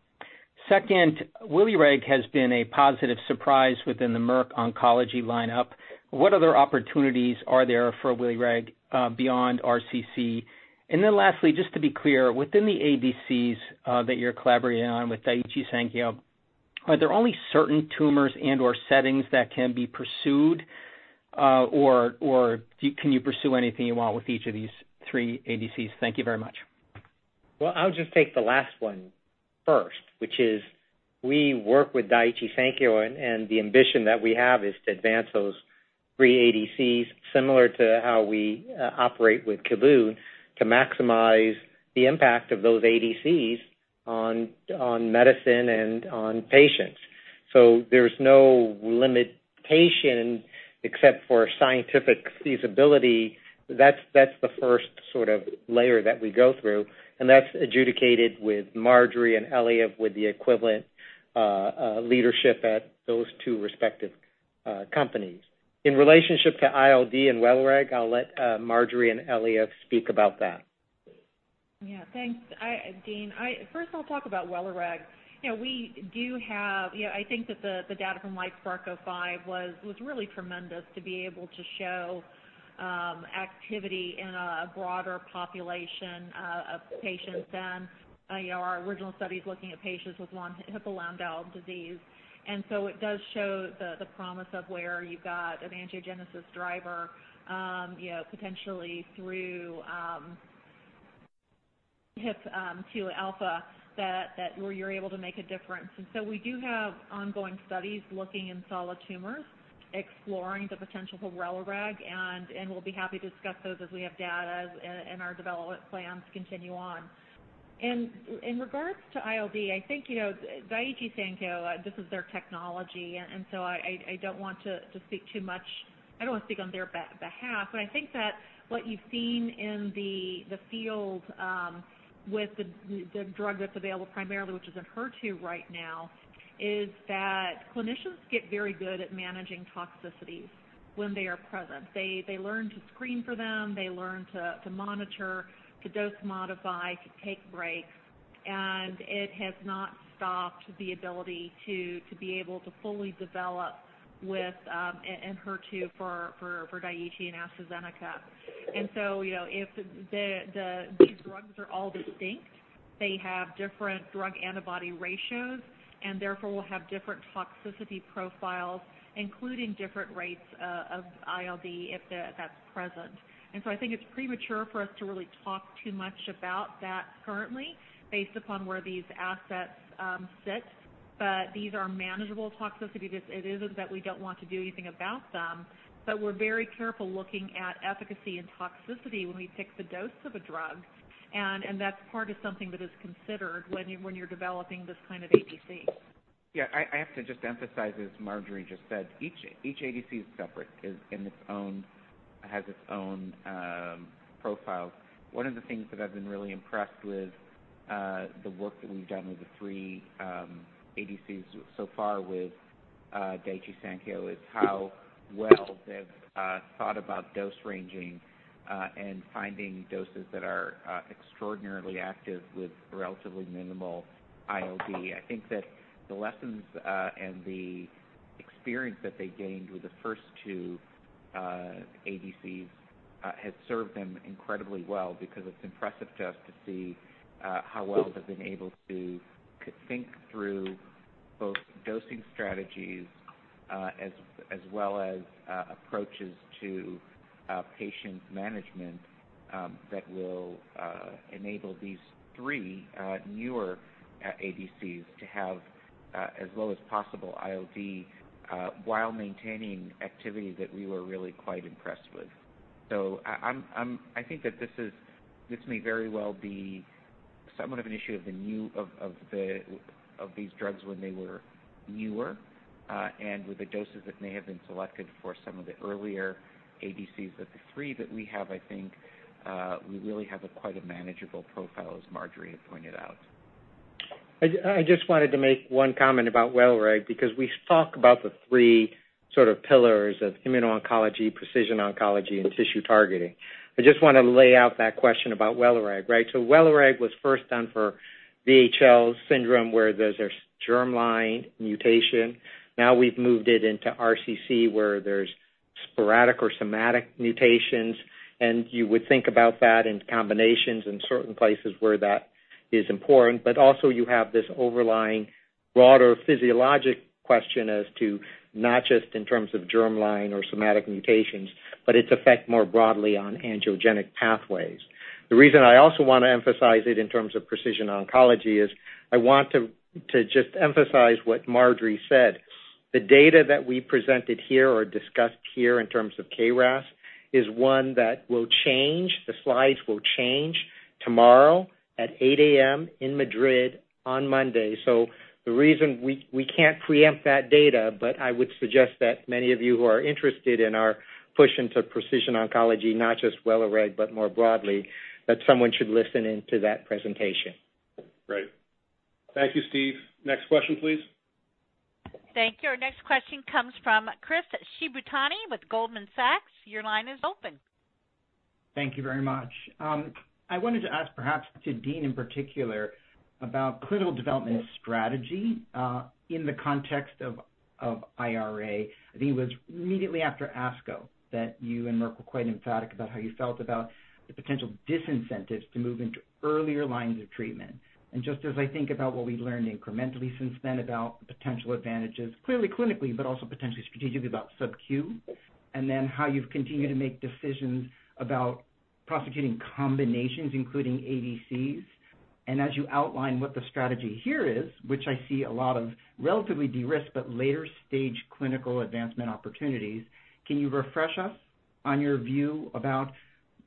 Second, Welireg has been a positive surprise within the Merck oncology lineup. What other opportunities are there for Welireg beyond RCC? And then lastly, just to be clear, within the ADCs that you're collaborating on with Daiichi Sankyo, are there only certain tumors and/or settings that can be pursued, or, or do you can you pursue anything you want with each of these three ADCs? Thank you very much. Well, I'll just take the last one first, which is we work with Daiichi Sankyo, and the ambition that we have is to advance those three ADCs, similar to how we operate with Keytruda, to maximize the impact of those ADCs on medicine and on patients. So there's no limitation except for scientific feasibility. That's the first sort of layer that we go through, and that's adjudicated with Marjorie and Eliav with the equivalent leadership at those two respective companies. In relationship to ILD and Welireg, I'll let Marjorie and Eliav speak about that. Yeah. Thanks, Dean. First, I'll talk about Welireg. You know, we do have, you know, I think that the data from LITESPARK-005 was really tremendous to be able to show activity in a broader population of patients than you know, our original studies looking at patients with VHL disease. And so it does show the promise of where you've got an angiogenesis driver, you know, potentially through HIF-2alpha, that where you're able to make a difference. And so we do have ongoing studies looking in solid tumors, exploring the potential for Welireg, and we'll be happy to discuss those as we have data and our development plans continue on. And in regards to ILD, I think, you know, Daiichi Sankyo, this is their technology, and so I don't want to speak too much. I don't want to speak on their behalf, but I think that what you've seen in the field, with the drug that's available primarily, which is in HER2 right now, is that clinicians get very good at managing toxicities when they are present. They learn to screen for them, they learn to monitor, to dose modify, to take breaks, and it has not stopped the ability to be able to fully develop with, in HER2 for Daiichi and AstraZeneca. And so, you know, if these drugs are all distinct, they have different drug antibody ratios, and therefore, will have different toxicity profiles, including different rates of ILD if that's present. And so I think it's premature for us to really talk too much about that currently, based upon where these assets sit. But these are manageable toxicities. It isn't that we don't want to do anything about them, but we're very careful looking at efficacy and toxicity when we pick the dose of a drug. And that's part of something that is considered when you're developing this kind of ADC. Yeah, I have to just emphasize, as Marjorie just said, each ADC is separate and its own profile. One of the things that I've been really impressed with the work that we've done with the three ADCs so far with Daiichi Sankyo is how well they've thought about dose ranging and finding doses that are extraordinarily active with relatively minimal ILD. I think that the lessons and the experience that they gained with the first two ADCs has served them incredibly well, because it's impressive to us to see how well they've been able to think through both dosing strategies as well as approaches to patient management that will enable these three newer ADCs to have as low as possible ILD while maintaining activity that we were really quite impressed with. So I think that this is, this may very well be somewhat of an issue of the new of the of these drugs when they were newer and with the doses that may have been selected for some of the earlier ADCs. But the three that we have, I think, we really have a quite a manageable profile, as Marjorie had pointed out. I just wanted to make one comment about Welireg, because we talk about the three sort of pillars of immuno-oncology, precision oncology, and tissue targeting. I just want to lay out that question about Welireg, right? So Welireg was first done for VHL syndrome, where there's a germline mutation. Now, we've moved it into RCC, where there's sporadic or somatic mutations, and you would think about that in combinations in certain places where that is important. But also, you have this overlying broader physiologic question as to not just in terms of germline or somatic mutations, but its effect more broadly on angiogenic pathways. The reason I also want to emphasize it in terms of precision oncology is I want to just emphasize what Marjorie said. The data that we presented here or discussed here in terms of KRAS is one that will change. The slides will change tomorrow at 8:00 A.M. in Madrid on Monday. So the reason we can't preempt that data, but I would suggest that many of you who are interested in our push into precision oncology, not just Welireg, but more broadly, that someone should listen into that presentation. Great. Thank you, Steve. Next question, please. Thank you. Our next question comes from Chris Shibutani with Goldman Sachs. Your line is open. Thank you very much. I wanted to ask perhaps to Dean in particular, about clinical development strategy, in the context of IRA. I think it was immediately after ASCO, that you and Merck were quite emphatic about how you felt about the potential disincentives to move into earlier lines of treatment. Just as I think about what we've learned incrementally since then, about the potential advantages, clearly, clinically, but also potentially strategically about subQ, and then how you've continued to make decisions about prosecuting combinations, including ADCs. As you outline what the strategy here is, which I see a lot of relatively de-risked but later-stage clinical advancement opportunities, can you refresh us on your view about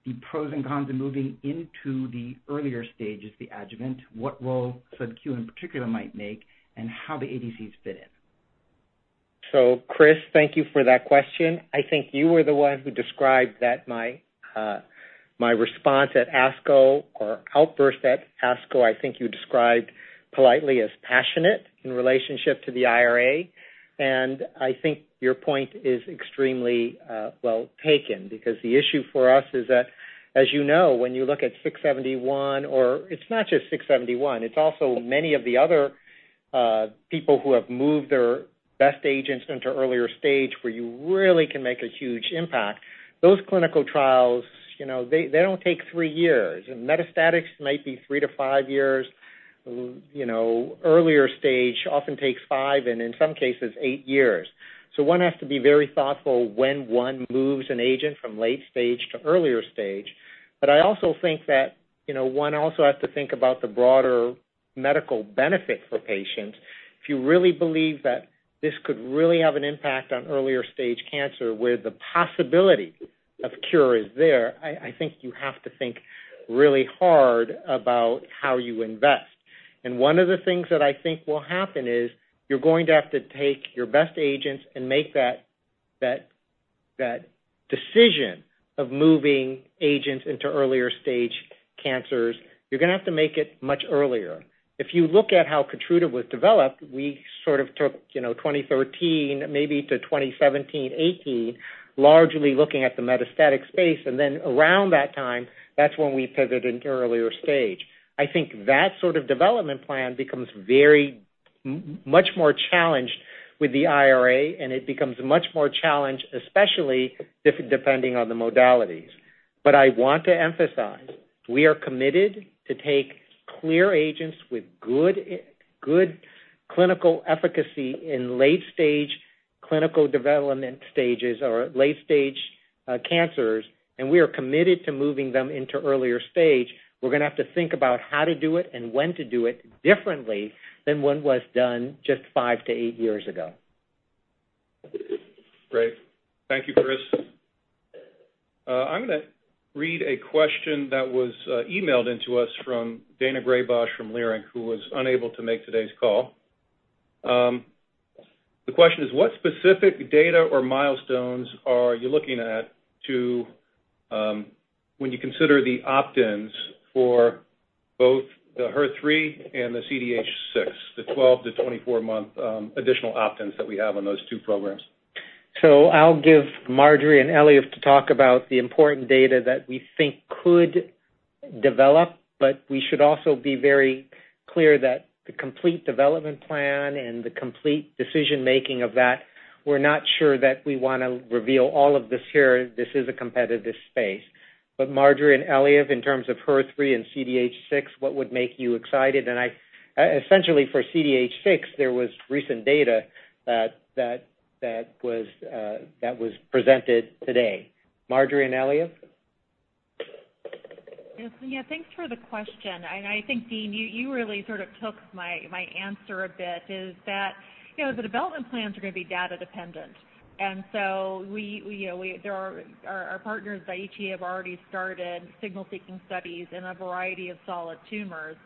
the pros and cons of moving into the earlier stages of the adjuvant, what role Sub-Q, in particular, might make, and how the ADCs fit in? So Chris, thank you for that question. I think you were the one who described that my, my response at ASCO or outburst at ASCO, I think you described politely as passionate in relationship to the IRA. And I think your point is extremely, well taken because the issue for us is that, as you know, when you look at 671, or it's not just 671, it's also many of the other, people who have moved their best agents into earlier stage where you really can make a huge impact. Those clinical trials, you know, they, they don't take three years. And metastatics might be 3-5 years, you know, earlier stage often takes five, and in some cases, eight years. So one has to be very thoughtful when one moves an agent from late stage to earlier stage. But I also think that, you know, one also has to think about the broader medical benefit for patients. If you really believe that this could really have an impact on earlier-stage cancer, where the possibility of cure is there, I think you have to think really hard about how you invest. And one of the things that I think will happen is you're going to have to take your best agents and make that decision of moving agents into earlier-stage cancers, you're gonna have to make it much earlier. If you look at how Keytruda was developed, we sort of took, you know, 2013 maybe to 2017, 2018, largely looking at the metastatic space, and then around that time, that's when we pivoted into earlier stage. I think that sort of development plan becomes very, much more challenged with the IRA, and it becomes much more challenged, especially depending on the modalities. But I want to emphasize, we are committed to take clear agents with good, good clinical efficacy in late-stage clinical development stages or late stage cancers, and we are committed to moving them into earlier stage. We're gonna have to think about how to do it and when to do it differently than what was done just 5-8 years ago. Great. Thank you, Chris. I'm gonna read a question that was emailed into us from Daina Graybosch from Leerink, who was unable to make today's call. The question is, what specific data or milestones are you looking at to, when you consider the opt-ins for both the HER3 and the CDH6, the 12-24 month additional opt-ins that we have on those two programs? So I'll give Marjorie and Eliav to talk about the important data that we think could develop, but we should also be very clear that the complete development plan and the complete decision-making of that, we're not sure that we want to reveal all of this here. This is a competitive space. But Marjorie and Eliav, in terms of HER3 and CDH6, what would make you excited? And I, essentially for CDH6, there was recent data that was presented today. Marjorie and Eliav? Yes. Yeah, thanks for the question, and I think, Dean, you really sort of took my answer a bit. Is that, you know, the development plans are gonna be data dependent. And so we, you know, we... There are our partners, Daiichi, have already started signal-seeking studies in a variety of solid tumors.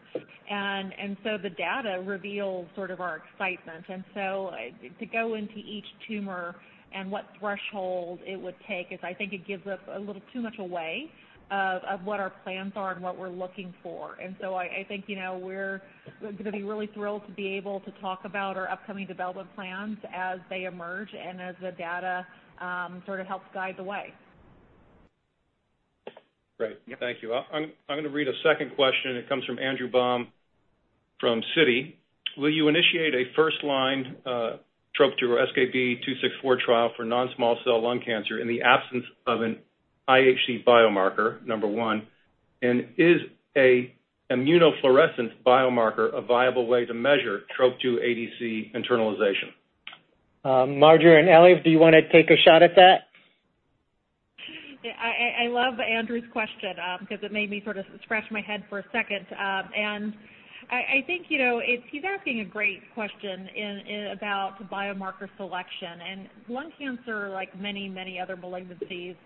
And so the data reveals sort of our excitement. And so to go into each tumor and what threshold it would take is I think it gives up a little too much away of what our plans are and what we're looking for. And so I think, you know, we're gonna be really thrilled to be able to talk about our upcoming development plans as they emerge and as the data sort of helps guide the way. Great. Thank you. I'm gonna read a second question. It comes from Andrew Baum from Citi. Will you initiate a first-line, TROP2 or SKB264 trial for non-small cell lung cancer in the absence of an IHC biomarker, number one, and is an immunofluorescence biomarker a viable way to measure TROP2 ADC internalization? Marjorie and Eliav, do you want to take a shot at that? Yeah, I love Andrew's question, because it made me sort of scratch my head for a second. And I think, you know, it's... He's asking a great question in about biomarker selection. And lung cancer, like many, many other malignancies,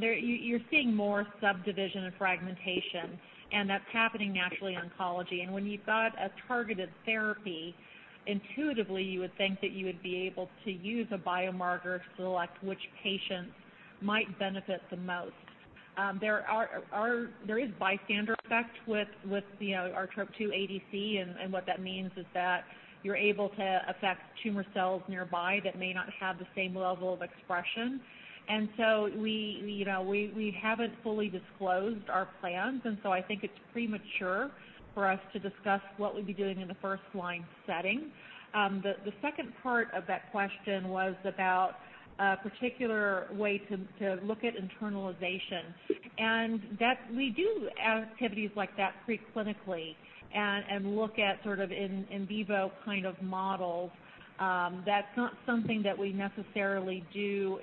you're seeing more subdivision and fragmentation, and that's happening naturally in oncology. And when you've got a targeted therapy, intuitively, you would think that you would be able to use a biomarker to select which patients might benefit the most. There is bystander effect with, you know, our TROP2 ADC, and what that means is that you're able to affect tumor cells nearby that may not have the same level of expression. And so, you know, we haven't fully disclosed our plans, and so I think it's premature for us to discuss what we'd be doing in a first-line setting. The second part of that question was about a particular way to look at internalization, and that's, we do activities like that preclinically and look at sort of in vivo kind of models. That's not something that we necessarily do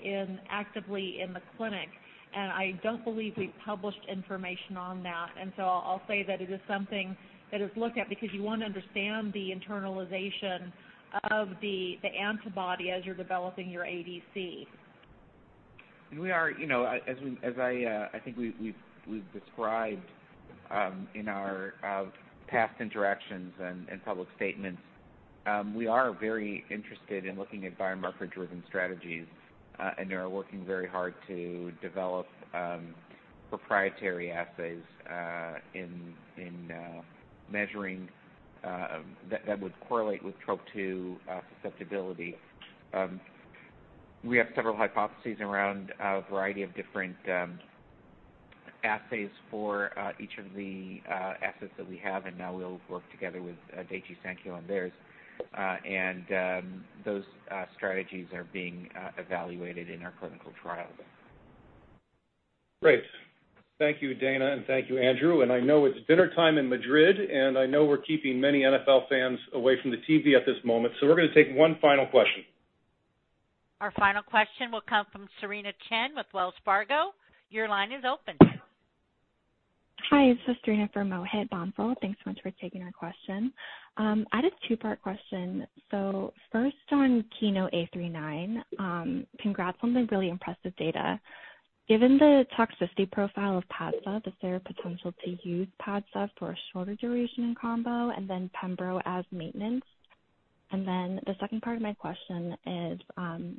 actively in the clinic, and I don't believe we've published information on that. And so I'll say that it is something that is looked at because you want to understand the internalization of the antibody as you're developing your ADC.... We are, you know, as we, as I, I think we've described in our past interactions and public statements, we are very interested in looking at biomarker-driven strategies, and are working very hard to develop proprietary assays in measuring that that would correlate with Trop-2 susceptibility. We have several hypotheses around a variety of different assays for each of the assets that we have, and now we'll work together with Daiichi Sankyo on theirs. Those strategies are being evaluated in our clinical trials. Great. Thank you, Dana, and thank you, Andrew. I know it's dinner time in Madrid, and I know we're keeping many NFL fans away from the TV at this moment, so we're gonna take one final question. Our final question will come from Cerena Chen with Wells Fargo. Your line is open. Hi, this is Cerena for Mohit Bansal. Thanks so much for taking our question. I had a two-part question. So first, on KEYNOTE-A39, congrats on the really impressive data. Given the toxicity profile of Padsev, is there a potential to use Padsev for a shorter duration in combo and then pembro as maintenance? And then the second part of my question is,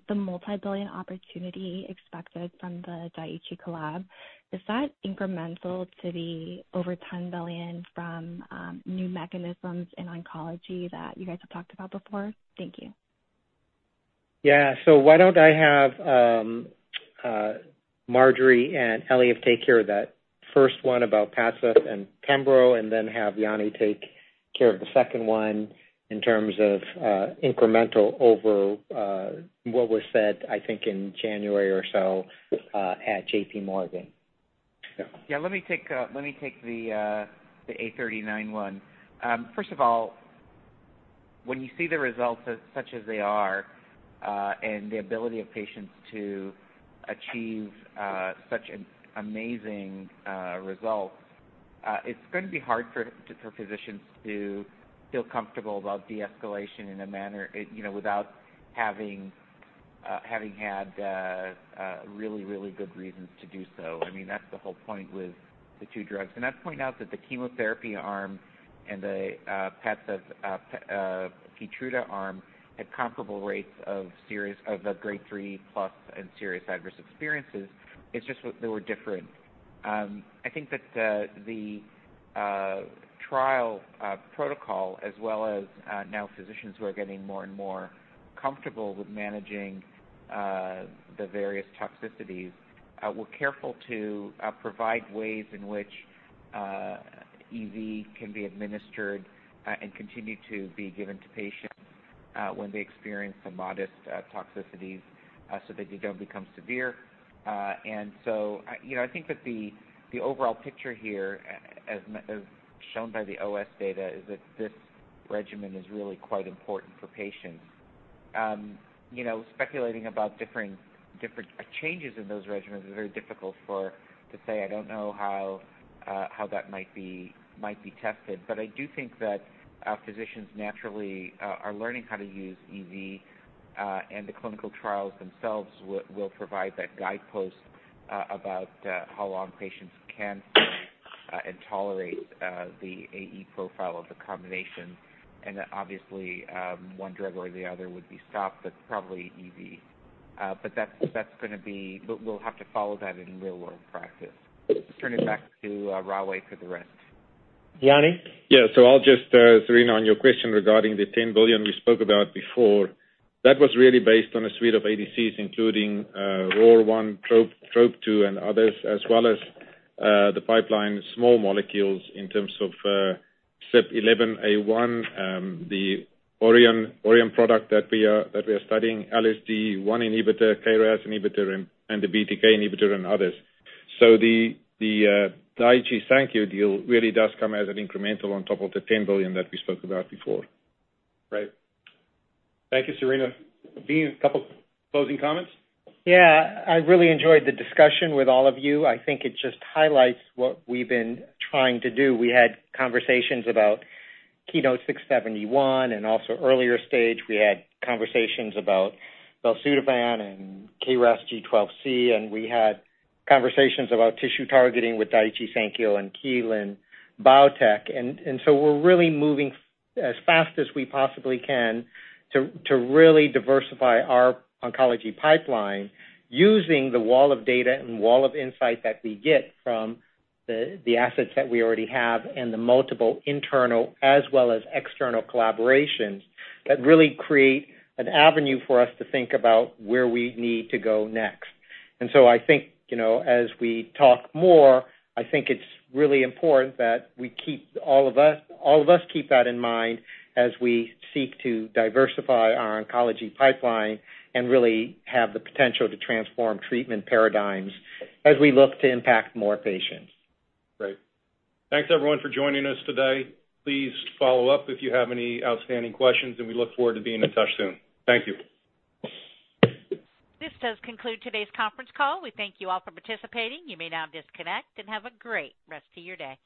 the multi-billion opportunity expected from the Daiichi collab. Is that incremental to the over $10 billion from, new mechanisms in oncology that you guys have talked about before? Thank you. Yeah. So why don't I have Marjorie and Eliav take care of that first one about Padsev and pembro, and then have Jannie take care of the second one in terms of incremental over what was said, I think, in January or so at JPMorgan. Yeah, let me take the A-thirty-nine one. First of all, when you see the results as such as they are, and the ability of patients to achieve such an amazing result, it's gonna be hard for physicians to feel comfortable about de-escalation in a manner, you know, without having had a really, really good reasons to do so. I mean, that's the whole point with the two drugs. And I'd point out that the chemotherapy arm and the Padsev Keytruda arm had comparable rates of serious, of the grade three-plus and serious adverse experiences. It's just that they were different. I think that the trial protocol, as well as now physicians who are getting more and more comfortable with managing the various toxicities, we're careful to provide ways in which EV can be administered and continue to be given to patients when they experience some modest toxicities so that they don't become severe. And so, you know, I think that the overall picture here, as shown by the OS data, is that this regimen is really quite important for patients. You know, speculating about different changes in those regimens is very difficult for... To say, I don't know how that might be tested. But I do think that our physicians naturally are learning how to use EV, and the clinical trials themselves will provide that guidepost about how long patients can and tolerate the AE profile of the combination. And then, obviously, one drug or the other would be stopped, but probably EV. But that's gonna be... But we'll have to follow that in real-world practice. Turn it back to Rahway for the rest. Jannie? Yeah. So I'll just, Cerena, on your question regarding the $10 billion we spoke about before, that was really based on a suite of ADCs, including, ROR1, TROP-2, and others, as well as, the pipeline small molecules in terms of, CYP11A1, the Orion product that we are studying, LSD1 inhibitor, KRAS inhibitor, and the BTK inhibitor, and others. So the Daiichi Sankyo deal really does come as an incremental on top of the $10 billion that we spoke about before. Great. Thank you, Cerena. V, a couple closing comments? Yeah. I really enjoyed the discussion with all of you. I think it just highlights what we've been trying to do. We had conversations about KEYNOTE-671, and also earlier stage, we had conversations about belzutifan and KRAS G12C, and we had conversations about tissue targeting with Daiichi Sankyo and Kelun-Biotech. And, and so we're really moving forward as fast as we possibly can to, to really diversify our oncology pipeline using the wall of data and wall of insight that we get from the, the assets that we already have and the multiple internal as well as external collaborations, that really create an avenue for us to think about where we need to go next. And so I think, you know, as we talk more, I think it's really important that we keep all of us, all of us keep that in mind as we seek to diversify our oncology pipeline and really have the potential to transform treatment paradigms as we look to impact more patients. Great. Thanks, everyone, for joining us today. Please follow up if you have any outstanding questions, and we look forward to being in touch soon. Thank you. This does conclude today's conference call. We thank you all for participating. You may now disconnect and have a great rest of your day.